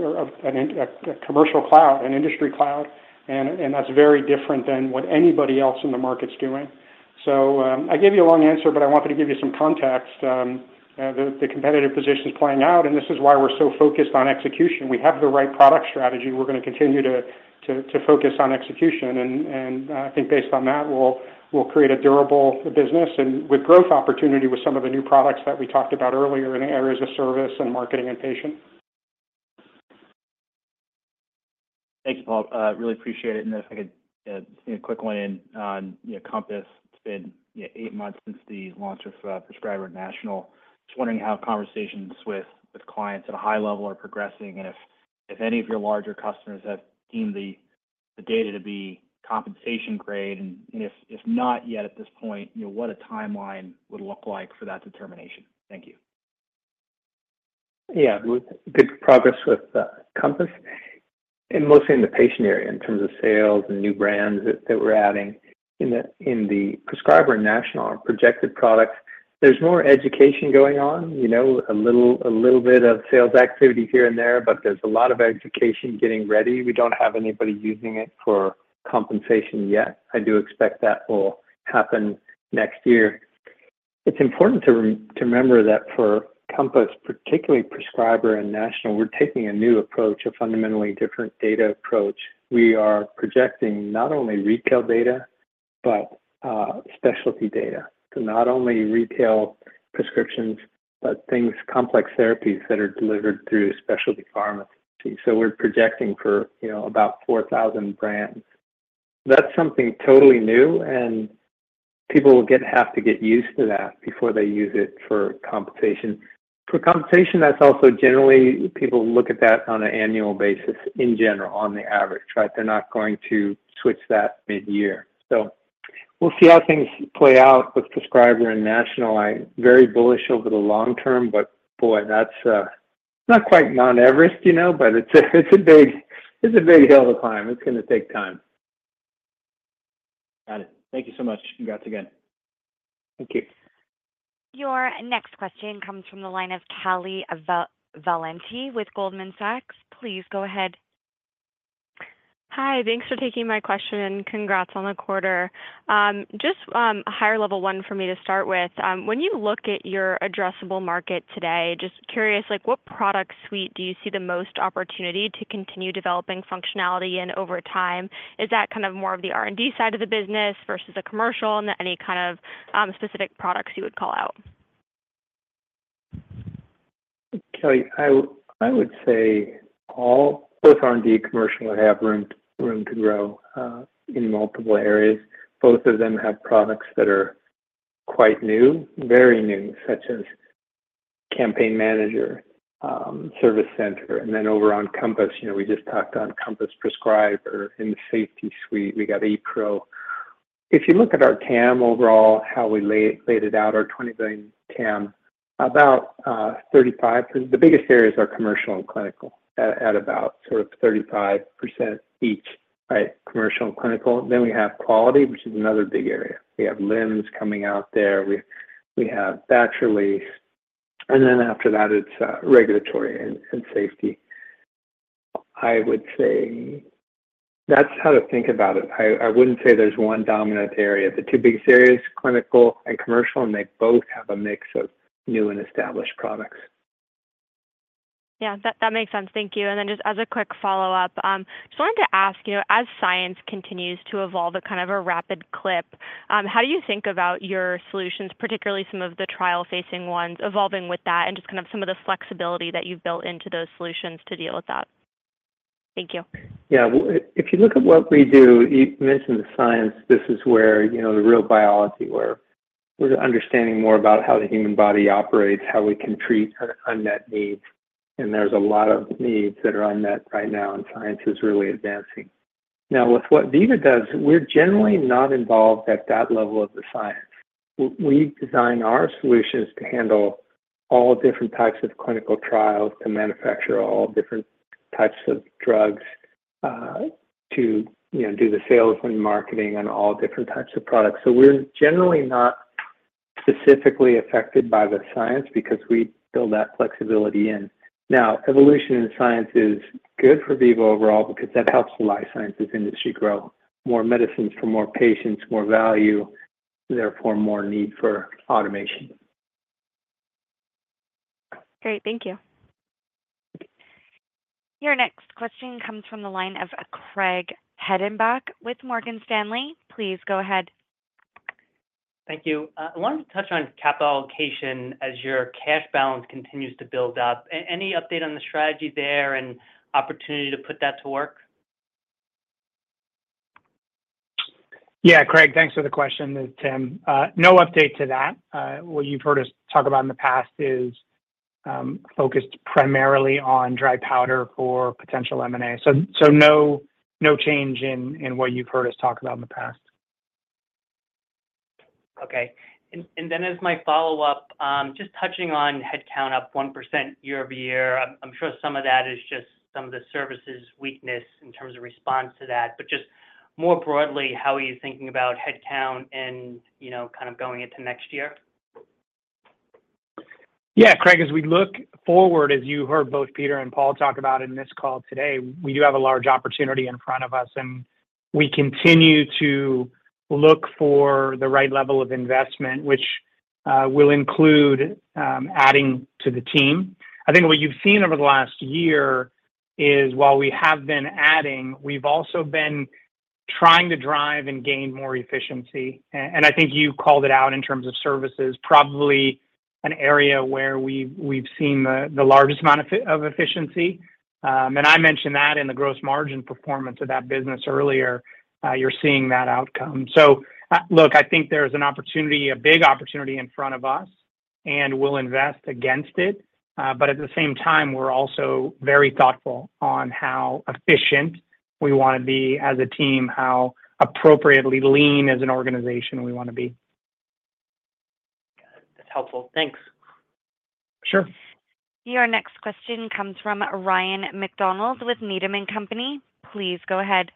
commercial cloud, an industry cloud, and that's very different than what anybody else in the market's doing. So, I gave you a long answer, but I wanted to give you some context. The competitive position is playing out, and this is why we're so focused on execution. We have the right product strategy. We're gonna continue to focus on execution and I think based on that, we'll create a durable business and with growth opportunity with some of the new products that we talked about earlier in areas of service and marketing and patient. Thanks, Paul. Really appreciate it. And if I could, quick one in on, you know, Compass. It's been eight months since the launch of Prescriber National. Just wondering how conversations with clients at a high level are progressing, and if any of your larger customers have deemed the data to be compensation grade, and if not yet at this point, you know, what a timeline would look like for that determination? Thank you. Yeah. Good progress with Compass, and mostly in the patient area, in terms of sales and new brands that we're adding. In the Prescriber National, our projected products, there's more education going on, you know, a little bit of sales activity here and there, but there's a lot of education getting ready. We don't have anybody using it for compensation yet. I do expect that will happen next year. It's important to remember that for Compass, particularly Prescriber and National, we're taking a new approach, a fundamentally different data approach. We are projecting not only retail data, but specialty data. So not only retail prescriptions, but things, complex therapies that are delivered through specialty pharmacies. So we're projecting for, you know, about 4,000 brands. That's something totally new, and people will have to get used to that before they use it for compensation. For compensation, that's also generally, people look at that on an annual basis, in general, on the average, right? They're not going to switch that mid-year. So we'll see how things play out with Prescriber and National. I'm very bullish over the long term, but boy, that's not quite Mount Everest, you know, but it's a big hill to climb. It's gonna take time. Got it. Thank you so much. Congrats again. Thank you. Your next question comes from the line of Callie Valenti with Goldman Sachs. Please go ahead. Hi, thanks for taking my question, and congrats on the quarter. Just, a higher level one for me to start with. When you look at your addressable market today, just curious, like, what product suite do you see the most opportunity to continue developing functionality in over time? Is that kind of more of the R&D side of the business versus a commercial, and any kind of specific products you would call out? Callie, I would say all. Both R&D and commercial have room to grow in multiple areas. Both of them have products that are quite new, very new, such as Campaign Manager, Service Center. And then over on Compass, you know, we just talked on Compass Prescriber. In the Safety Suite, we got ePRO. If you look at our TAM overall, how we laid it out, our $20 billion TAM, about 35%. The biggest areas are commercial and clinical, at about sort of 35% each, right? Commercial and clinical. Then we have quality, which is another big area. We have LIMS coming out there, we have Batch Release, and then after that, it's regulatory and safety. I would say that's how to think about it. I wouldn't say there's one dominant area. The two big areas, clinical and commercial, and they both have a mix of new and established products. Yeah, that makes sense. Thank you. And then just as a quick follow-up, just wanted to ask, you know, as science continues to evolve at kind of a rapid clip, how do you think about your solutions, particularly some of the trial-facing ones, evolving with that, and just kind of some of the flexibility that you've built into those solutions to deal with that? Thank you. Yeah. If you look at what we do, you mentioned the science. This is where, you know, the real biology, where we're understanding more about how the human body operates, how we can treat unmet needs, and there's a lot of needs that are unmet right now, and science is really advancing. Now, with what Veeva does, we're generally not involved at that level of the science. We design our solutions to handle all different types of clinical trials, to manufacture all different types of drugs, to, you know, do the sales and marketing on all different types of products. So we're generally not specifically affected by the science because we build that flexibility in. Now, evolution in science is good for Veeva overall because that helps the life sciences industry grow. More medicines for more patients, more value, therefore more need for automation. Great. Thank you. Your next question comes from the line of Craig Hettenbach with Morgan Stanley. Please go ahead. Thank you. I wanted to touch on capital allocation as your cash balance continues to build up. Any update on the strategy there and opportunity to put that to work? Yeah, Craig, thanks for the question. It's Tim. No update to that. What you've heard us talk about in the past is focused primarily on dry powder for potential M&A. No change in what you've heard us talk about in the past. Okay. Then as my follow-up, just touching on headcount up 1% year over year, I'm sure some of that is just some of the services weakness in terms of response to that. But just more broadly, how are you thinking about headcount and, you know, kind of going into next year? Yeah, Craig, as we look forward, as you heard both Peter and Paul talk about in this call today, we do have a large opportunity in front of us, and we continue to look for the right level of investment, which will include adding to the team. I think what you've seen over the last year is, while we have been adding, we've also been trying to drive and gain more efficiency. And I think you called it out in terms of services, probably an area where we've seen the largest amount of efficiency. And I mentioned that in the gross margin performance of that business earlier, you're seeing that outcome. So, look, I think there's an opportunity, a big opportunity in front of us, and we'll invest against it. But at the same time, we're also very thoughtful on how efficient we wanna be as a team, how appropriately lean as an organization we wanna be. Got it. That's helpful. Thanks. Sure. Your next question comes from Ryan MacDonald with Needham & Company. Please go ahead.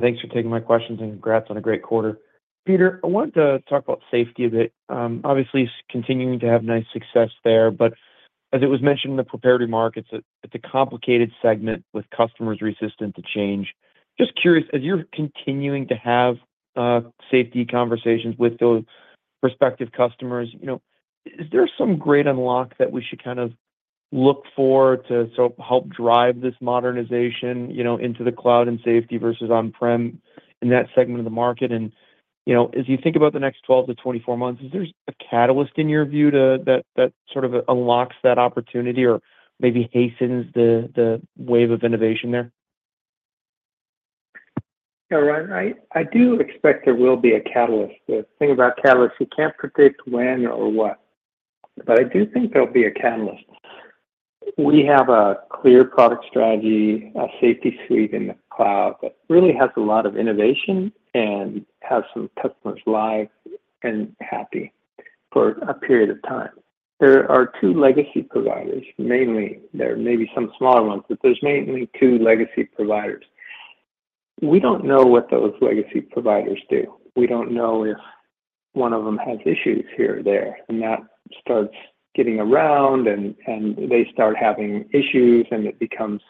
Thanks for taking my questions, and congrats on a great quarter. Peter, I wanted to talk about safety a bit. Obviously, continuing to have nice success there, but as it was mentioned in the prepared remarks, it's a complicated segment with customers resistant to change. Just curious, as you're continuing to have safety conversations with those prospective customers, you know, is there some great unlock that we should kind of look for to sort of help drive this modernization, you know, into the cloud and safety versus on-prem in that segment of the market? And, you know, as you think about the next twelve to twenty-four months, is there a catalyst in your view that sort of unlocks that opportunity or maybe hastens the wave of innovation there? Yeah, Ryan, I do expect there will be a catalyst. The thing about catalysts, you can't predict when or what, but I do think there'll be a catalyst. We have a clear product strategy, a Safety Suite in the cloud, that really has a lot of innovation and has some customers live and happy for a period of time. There are two legacy providers, mainly. There may be some smaller ones, but there's mainly two legacy providers. We don't know what those legacy providers do. We don't know if one of them has issues here or there, and that starts getting around, and they start having issues, and it becomes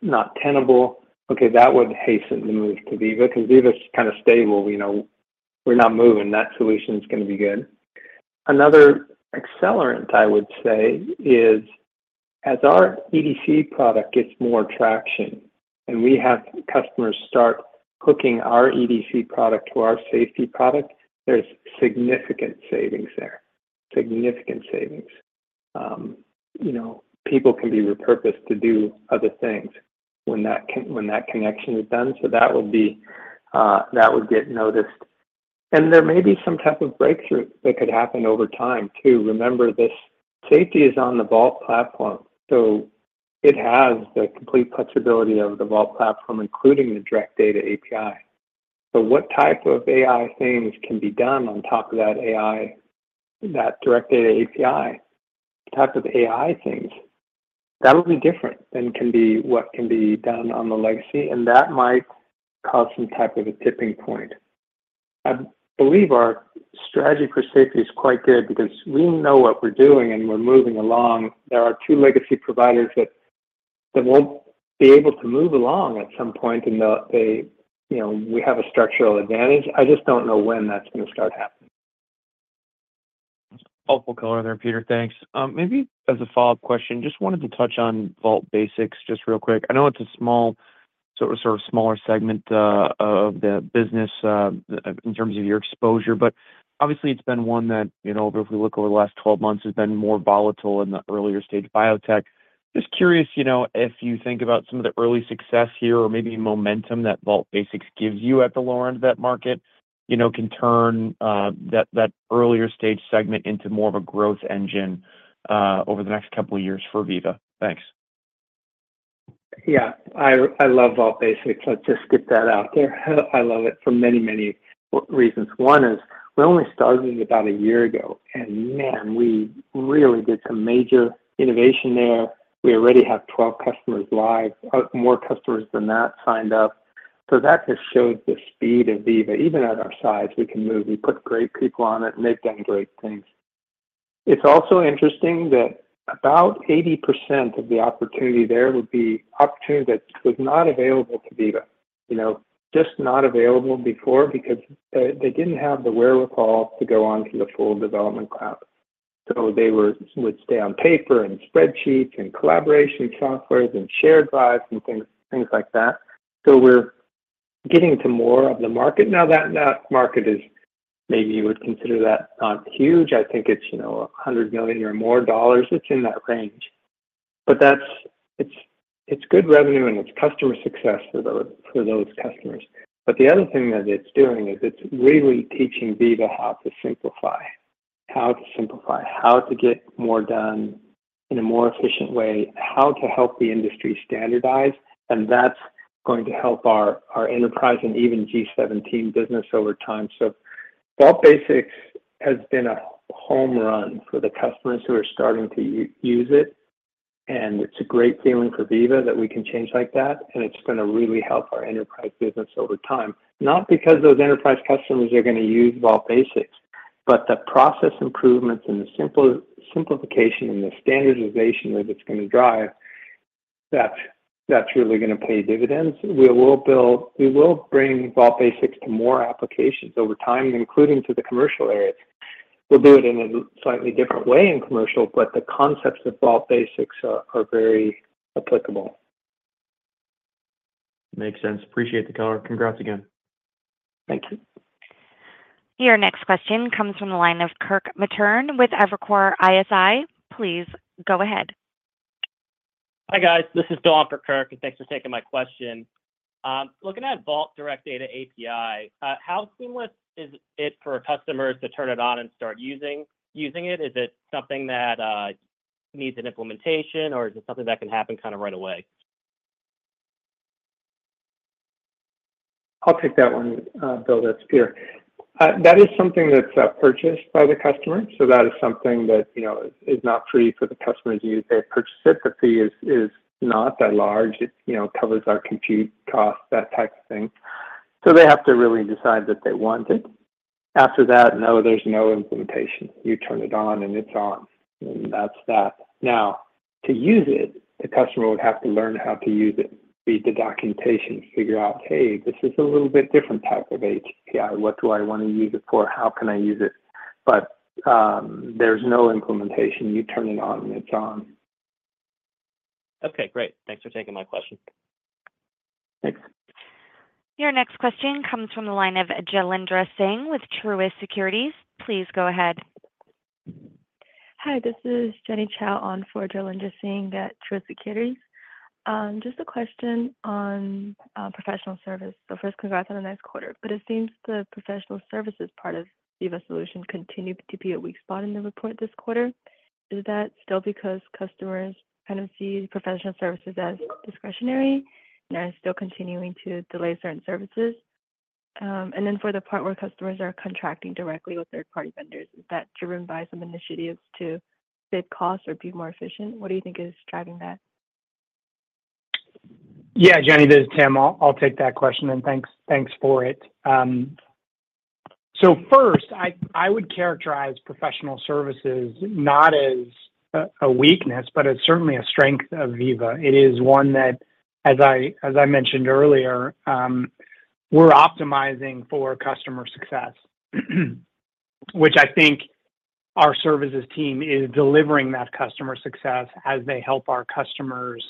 not tenable. Okay, that would hasten the move to Veeva, because Veeva's kind of stable. We know we're not moving. That solution's gonna be good. Another accelerant, I would say, is as our EDC product gets more traction and we have customers start hooking our EDC product to our safety product, there's significant savings there. Significant savings. You know, people can be repurposed to do other things when that connection is done, so that would be, that would get noticed. And there may be some type of breakthrough that could happen over time, too. Remember, this safety is on the Vault platform, so it has the complete flexibility of the Vault platform, including the Direct Data API. So what type of AI things can be done on top of that AI, that Direct Data API type of AI things? That'll be different than what can be done on the legacy, and that might cause some type of a tipping point. I believe our strategy for safety is quite good because we know what we're doing, and we're moving along. There are two legacy providers that won't be able to move along at some point, and they, you know, we have a structural advantage. I just don't know when that's gonna start happening. Helpful color there, Peter. Thanks. Maybe as a follow-up question, just wanted to touch on Vault Basics just real quick. I know it's a small, sort of smaller segment of the business in terms of your exposure, but obviously, it's been one that, you know, if we look over the last twelve months, has been more volatile in the earlier stage biotech. Just curious, you know, if you think about some of the early success here or maybe momentum that Vault Basics gives you at the lower end of that market, you know, can turn that earlier stage segment into more of a growth engine over the next couple of years for Veeva. Thanks. Yeah. I love Vault Basics. Let's just get that out there. I love it for many, many reasons. One is we only started it about a year ago, and man, we really did some major innovation there. We already have 12 customers live, more customers than that signed up. So that just shows the speed of Veeva. Even at our size, we can move. We put great people on it, and they've done great things. It's also interesting that about 80% of the opportunity there would be opportunity that was not available to Veeva. You know, just not available before because they didn't have the wherewithal to go onto the full Development Cloud. So they would stay on paper, and spreadsheets, and collaboration softwares, and shared drives and things like that. So we're getting to more of the market now. That market is... Maybe you would consider that not huge. I think it's, you know, $100 million or more. It's in that range. But that's, it's good revenue, and it's customer success for those customers. But the other thing that it's doing is it's really teaching Veeva how to simplify. How to simplify, how to get more done in a more efficient way, how to help the industry standardize, and that's going to help our enterprise and even G17 business over time. So Vault Basics has been a home run for the customers who are starting to use it, and it's a great feeling for Veeva that we can change like that, and it's gonna really help our enterprise business over time. Not because those enterprise customers are gonna use Vault Basics, but the process improvements and the simplification and the standardization that it's gonna drive, that's really gonna pay dividends. We will bring Vault Basics to more applications over time, including to the commercial areas. We'll do it in a slightly different way in commercial, but the concepts of Vault Basics are very applicable. Makes sense. Appreciate the color. Congrats again. Thank you. Your next question comes from the line of Kirk Materne with Evercore ISI. Please go ahead. Hi, guys. This is Bill in for Kirk, and thanks for taking my question. Looking at Veeva Direct Data API, how seamless is it for customers to turn it on and start using it? Is it something that needs an implementation, or is it something that can happen kind of right away? I'll take that one, Bill. That's Peter. That is something that's purchased by the customer, so that is something that, you know, is not free for the customer to use. Their participation is not that large. It, you know, covers our compute costs, that type of thing. So they have to really decide that they want it. After that, no, there's no implementation. You turn it on, and it's on, and that's that. Now, to use it, the customer would have to learn how to use it, read the documentation, figure out, "Hey, this is a little bit different type of API. What do I want to use it for? How can I use it?" But there's no implementation. You turn it on, and it's on. Okay, great. Thanks for taking my question. Thanks. Your next question comes from the line of Jailendra Singh with Truist Securities. Please go ahead. Hi, this is Jenny Cao on for Jailendra Singh at Truist Securities. Just a question on professional service. So first, congrats on a nice quarter, but it seems the professional services part of Veeva solution continued to be a weak spot in the report this quarter. Is that still because customers kind of see professional services as discretionary and are still continuing to delay certain services? And then for the part where customers are contracting directly with third-party vendors, is that driven by some initiatives to save costs or be more efficient? What do you think is driving that? Yeah, Jenny, this is Tim. I'll take that question, and thanks, thanks for it. So first, I would characterize professional services not as a weakness, but as certainly a strength of Veeva. It is one that, as I mentioned earlier, we're optimizing for customer success, which I think our services team is delivering that customer success as they help our customers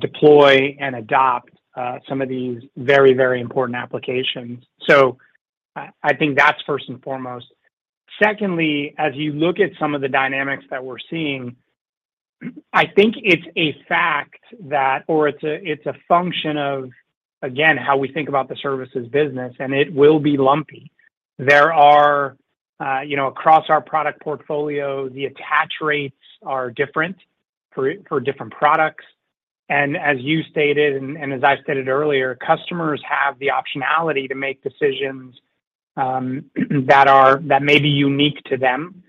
deploy and adopt some of these very, very important applications. So I think that's first and foremost. Secondly, as you look at some of the dynamics that we're seeing, I think it's a fact that or it's a function of, again, how we think about the services business, and it will be lumpy. There are, you know, across our product portfolio, the attach rates are different for different products. And as you stated, and as I stated earlier, customers have the optionality to make decisions that may be unique to them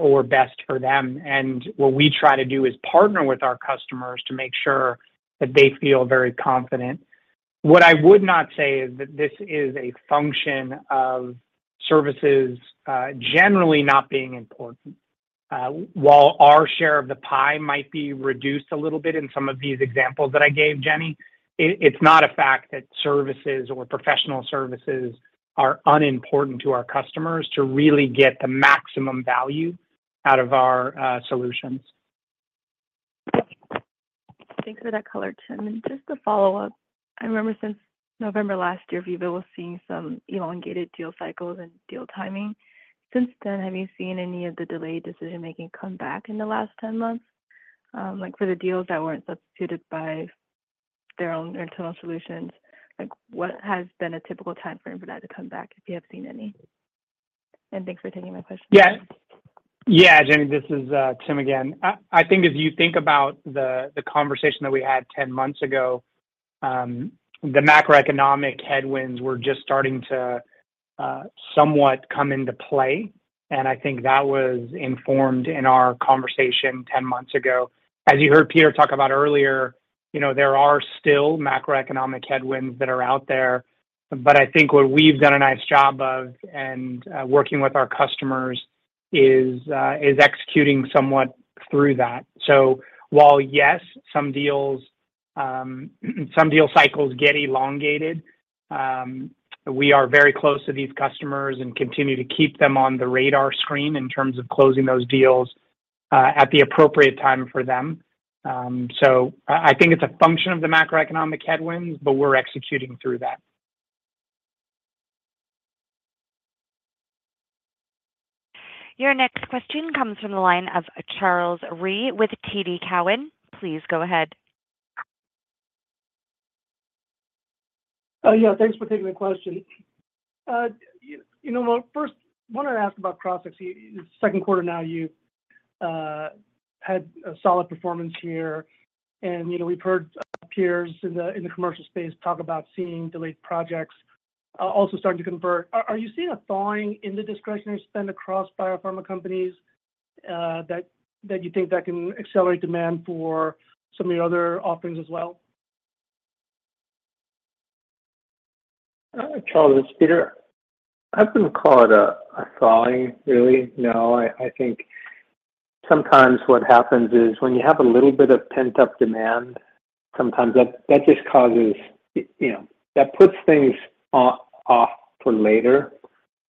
or best for them. And what we try to do is partner with our customers to make sure that they feel very confident. What I would not say is that this is a function of services generally not being important. While our share of the pie might be reduced a little bit in some of these examples that I gave, Jenny, it's not a fact that services or professional services are unimportant to our customers to really get the maximum value out of our solutions. Thanks for that color, Tim. And just to follow up, I remember since November last year, Veeva was seeing some elongated deal cycles and deal timing. Since then, have you seen any of the delayed decision-making come back in the last ten months? Like, for the deals that weren't substituted by their own internal solutions, like, what has been a typical timeframe for that to come back, if you have seen any? And thanks for taking my question. Yeah. Yeah, Jenny, this is Tim again. I think if you think about the conversation that we had ten months ago, the macroeconomic headwinds were just starting to somewhat come into play, and I think that was informed in our conversation ten months ago. As you heard Peter talk about earlier, you know, there are still macroeconomic headwinds that are out there, but I think what we've done a nice job of, and working with our customers is executing somewhat through that. So while, yes, some deals, some deal cycles get elongated, we are very close to these customers and continue to keep them on the radar screen in terms of closing those deals at the appropriate time for them. So I think it's a function of the macroeconomic headwinds, but we're executing through that. Your next question comes from the line of Charles Rhyee with TD Cowen. Please go ahead. Yeah, thanks for taking the question. You know, well, first, wanted to ask about Crossix. It's second quarter now, you had a solid performance here, and, you know, we've heard peers in the commercial space talk about seeing delayed projects also starting to convert. Are you seeing a thawing in the discretionary spend across biopharma companies that you think that can accelerate demand for some of your other offerings as well? Charles, it's Peter. I wouldn't call it a thawing really. No. I think sometimes what happens is when you have a little bit of pent-up demand, sometimes that just causes, you know, that puts things off for later.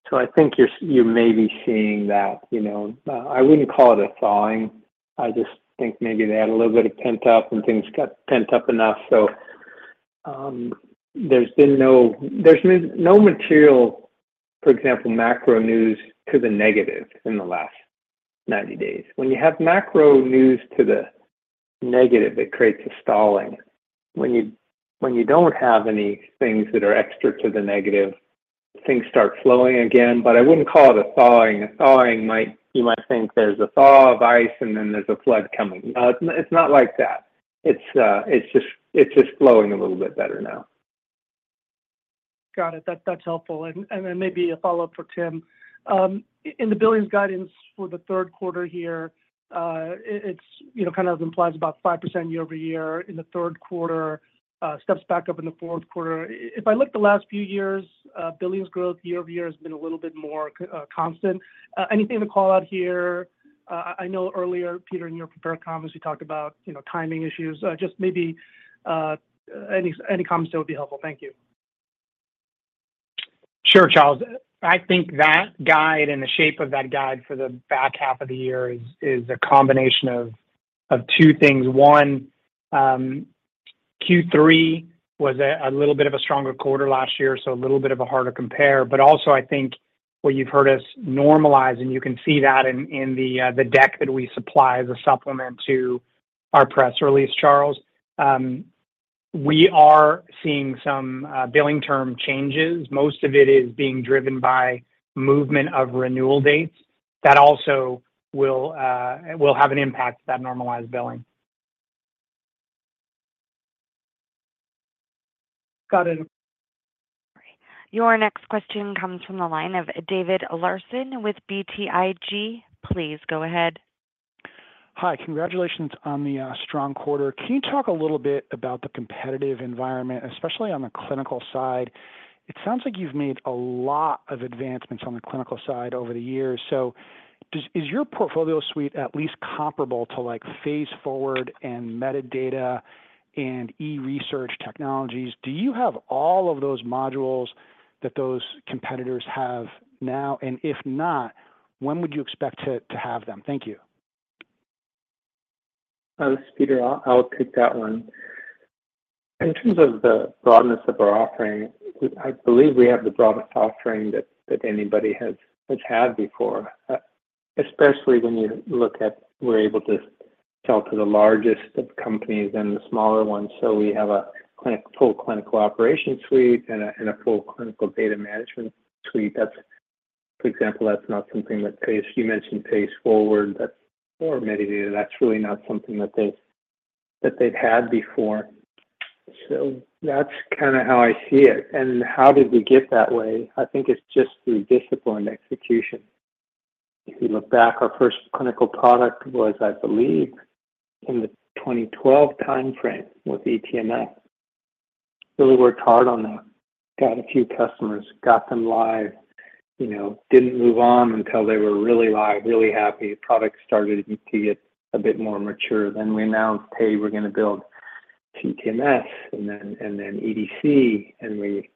So I think you may be seeing that, you know? I wouldn't call it a thawing. I just think maybe they had a little bit of pent-up, and things got pent up enough. So, there's been no material, for example, macro news to the negative in the last ninety days. When you have macro news to the negative, it creates a stalling. When you don't have any things that are extra to the negative, things start flowing again, but I wouldn't call it a thawing. You might think there's a thaw of ice, and then there's a flood coming. It's not like that. It's just flowing a little bit better now. Got it. That's helpful. And then maybe a follow-up for Tim. In the billings guidance for the third quarter here, it's you know kind of implies about 5% year over year in the third quarter, steps back up in the fourth quarter. If I look at the last few years, billings growth year over year has been a little bit more constant. I know earlier, Peter, in your prepared comments, you talked about you know timing issues. Just maybe any comments that would be helpful. Thank you. Sure, Charles. I think that guide and the shape of that guide for the back half of the year is a combination of two things. One, Q3 was a little bit of a stronger quarter last year, so a little bit of a harder compare. But also, I think what you've heard us normalize, and you can see that in the deck that we supply as a supplement to our press release, Charles, we are seeing some billing term changes. Most of it is being driven by movement of renewal dates. That also will have an impact to that normalized billing. Got it. Great. Your next question comes from the line of David Larsen with BTIG. Please go ahead. Hi. Congratulations on the strong quarter. Can you talk a little bit about the competitive environment, especially on the clinical side? It sounds like you've made a lot of advancements on the clinical side over the years. So, is your portfolio suite at least comparable to, like, Phase Forward and Medidata and eResearchTechnology? Do you have all of those modules that those competitors have now? And if not, when would you expect to have them? Thank you. This is Peter. I'll take that one. In terms of the broadness of our offering, I believe we have the broadest offering that anybody has had before, especially when you look at we're able to sell to the largest of companies and the smaller ones. So we have a full Clinical Operations Suite and a full Clinical Data Management Suite. That's, for example, not something that Phase Forward or Medidata, that's really not something that they've had before. So that's kind of how I see it. How did we get that way? I think it's just through disciplined execution. If you look back, our first clinical product was, I believe, in the 2012 timeframe with eTMF. Really worked hard on that. Got a few customers, got them live, you know, didn't move on until they were really live, really happy. The product started to get a bit more mature. Then we announced, "Hey, we're gonna build CTMS, and then, and then EDC," and we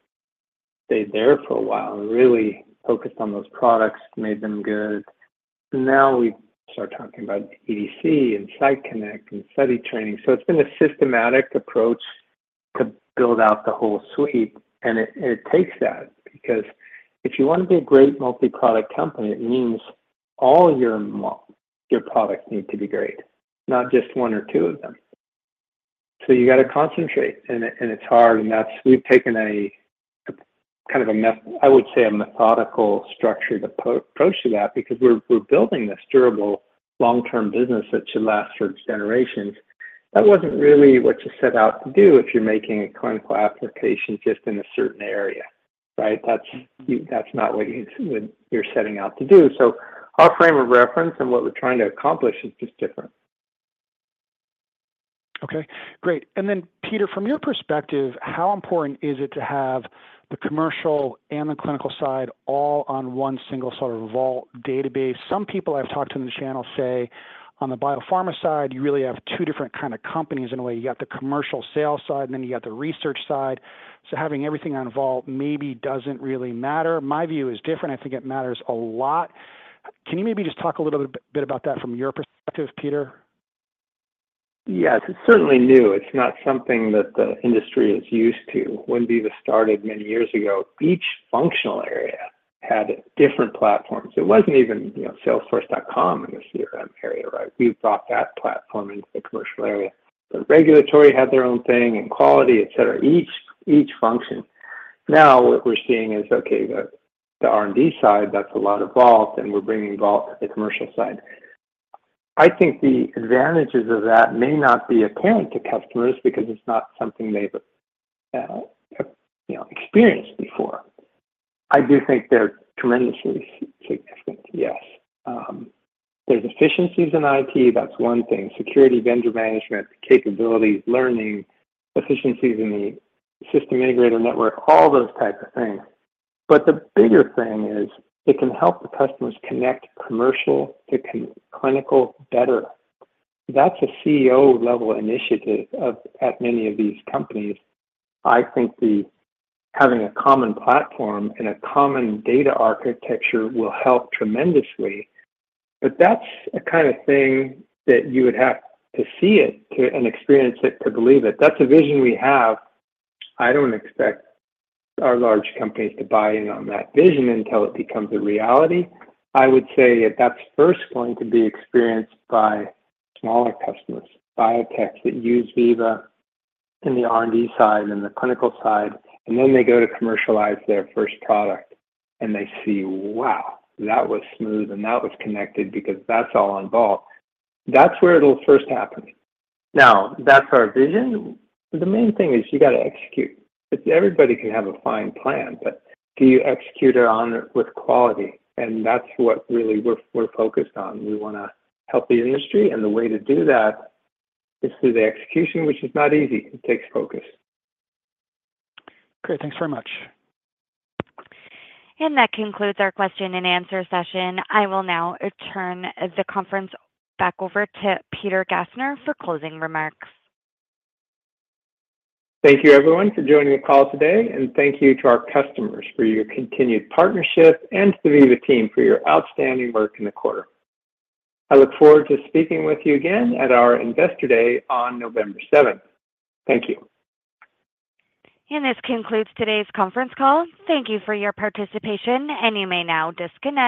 stayed there for a while and really focused on those products, made them good. Now we start talking about EDC and Site Connect and Study Training. So it's been a systematic approach to build out the whole suite, and it, and it takes that, because if you want to be a great multi-product company, it means all your your products need to be great, not just one or two of them. So you gotta concentrate, and it, and it's hard, and that's... We've taken a kind of, I would say, a methodical, structured approach to that, because we're building this durable, long-term business that should last for generations. That wasn't really what you set out to do if you're making a clinical application just in a certain area, right? That's not what you're setting out to do, so our frame of reference and what we're trying to accomplish is just different. Okay, great. And then, Peter, from your perspective, how important is it to have the commercial and the clinical side all on one single sort of Vault database? Some people I've talked to in the channel say on the biopharma side, you really have two different kind of companies in a way. You got the commercial sales side, and then you got the research side. So having everything on Vault maybe doesn't really matter. My view is different. I think it matters a lot. Can you maybe just talk a little bit about that from your perspective, Peter? Yes, it's certainly new. It's not something that the industry is used to. When Veeva started many years ago, each functional area had different platforms. It wasn't even, you know, Salesforce.com in the CRM area, right? We brought that platform into the commercial area. The regulatory had their own thing, and quality, et cetera. Each function. Now, what we're seeing is, okay, the R&D side, that's a lot of Vault, and we're bringing Vault to the commercial side. I think the advantages of that may not be apparent to customers because it's not something they've, you know, experienced before. I do think they're tremendously significant, yes. There's efficiencies in IT. That's one thing. Security, vendor management, capabilities, learning, efficiencies in the system integrator network, all those types of things. But the bigger thing is it can help the customers connect commercial to clinical better. That's a CEO-level initiative at many of these companies. I think the having a common platform and a common data architecture will help tremendously, but that's a kind of thing that you would have to see it to, and experience it, to believe it. That's a vision we have. I don't expect our large companies to buy in on that vision until it becomes a reality. I would say that that's first going to be experienced by smaller customers, biotechs that use Veeva in the R&D side and the clinical side, and then they go to commercialize their first product, and they see, "Wow, that was smooth, and that was connected because that's all on Vault." That's where it'll first happen. Now, that's our vision. The main thing is you gotta execute. It's everybody can have a fine plan, but do you execute it on with quality? That's what really we're focused on. We wanna help the industry, and the way to do that is through the execution, which is not easy. It takes focus. Great. Thanks very much. That concludes our question and answer session. I will now return the conference back over to Peter Gassner for closing remarks. Thank you, everyone, for joining the call today, and thank you to our customers for your continued partnership and to the Veeva team for your outstanding work in the quarter. I look forward to speaking with you again at our Investor Day on November 7th. Thank you. This concludes today's conference call. Thank you for your participation, and you may now disconnect.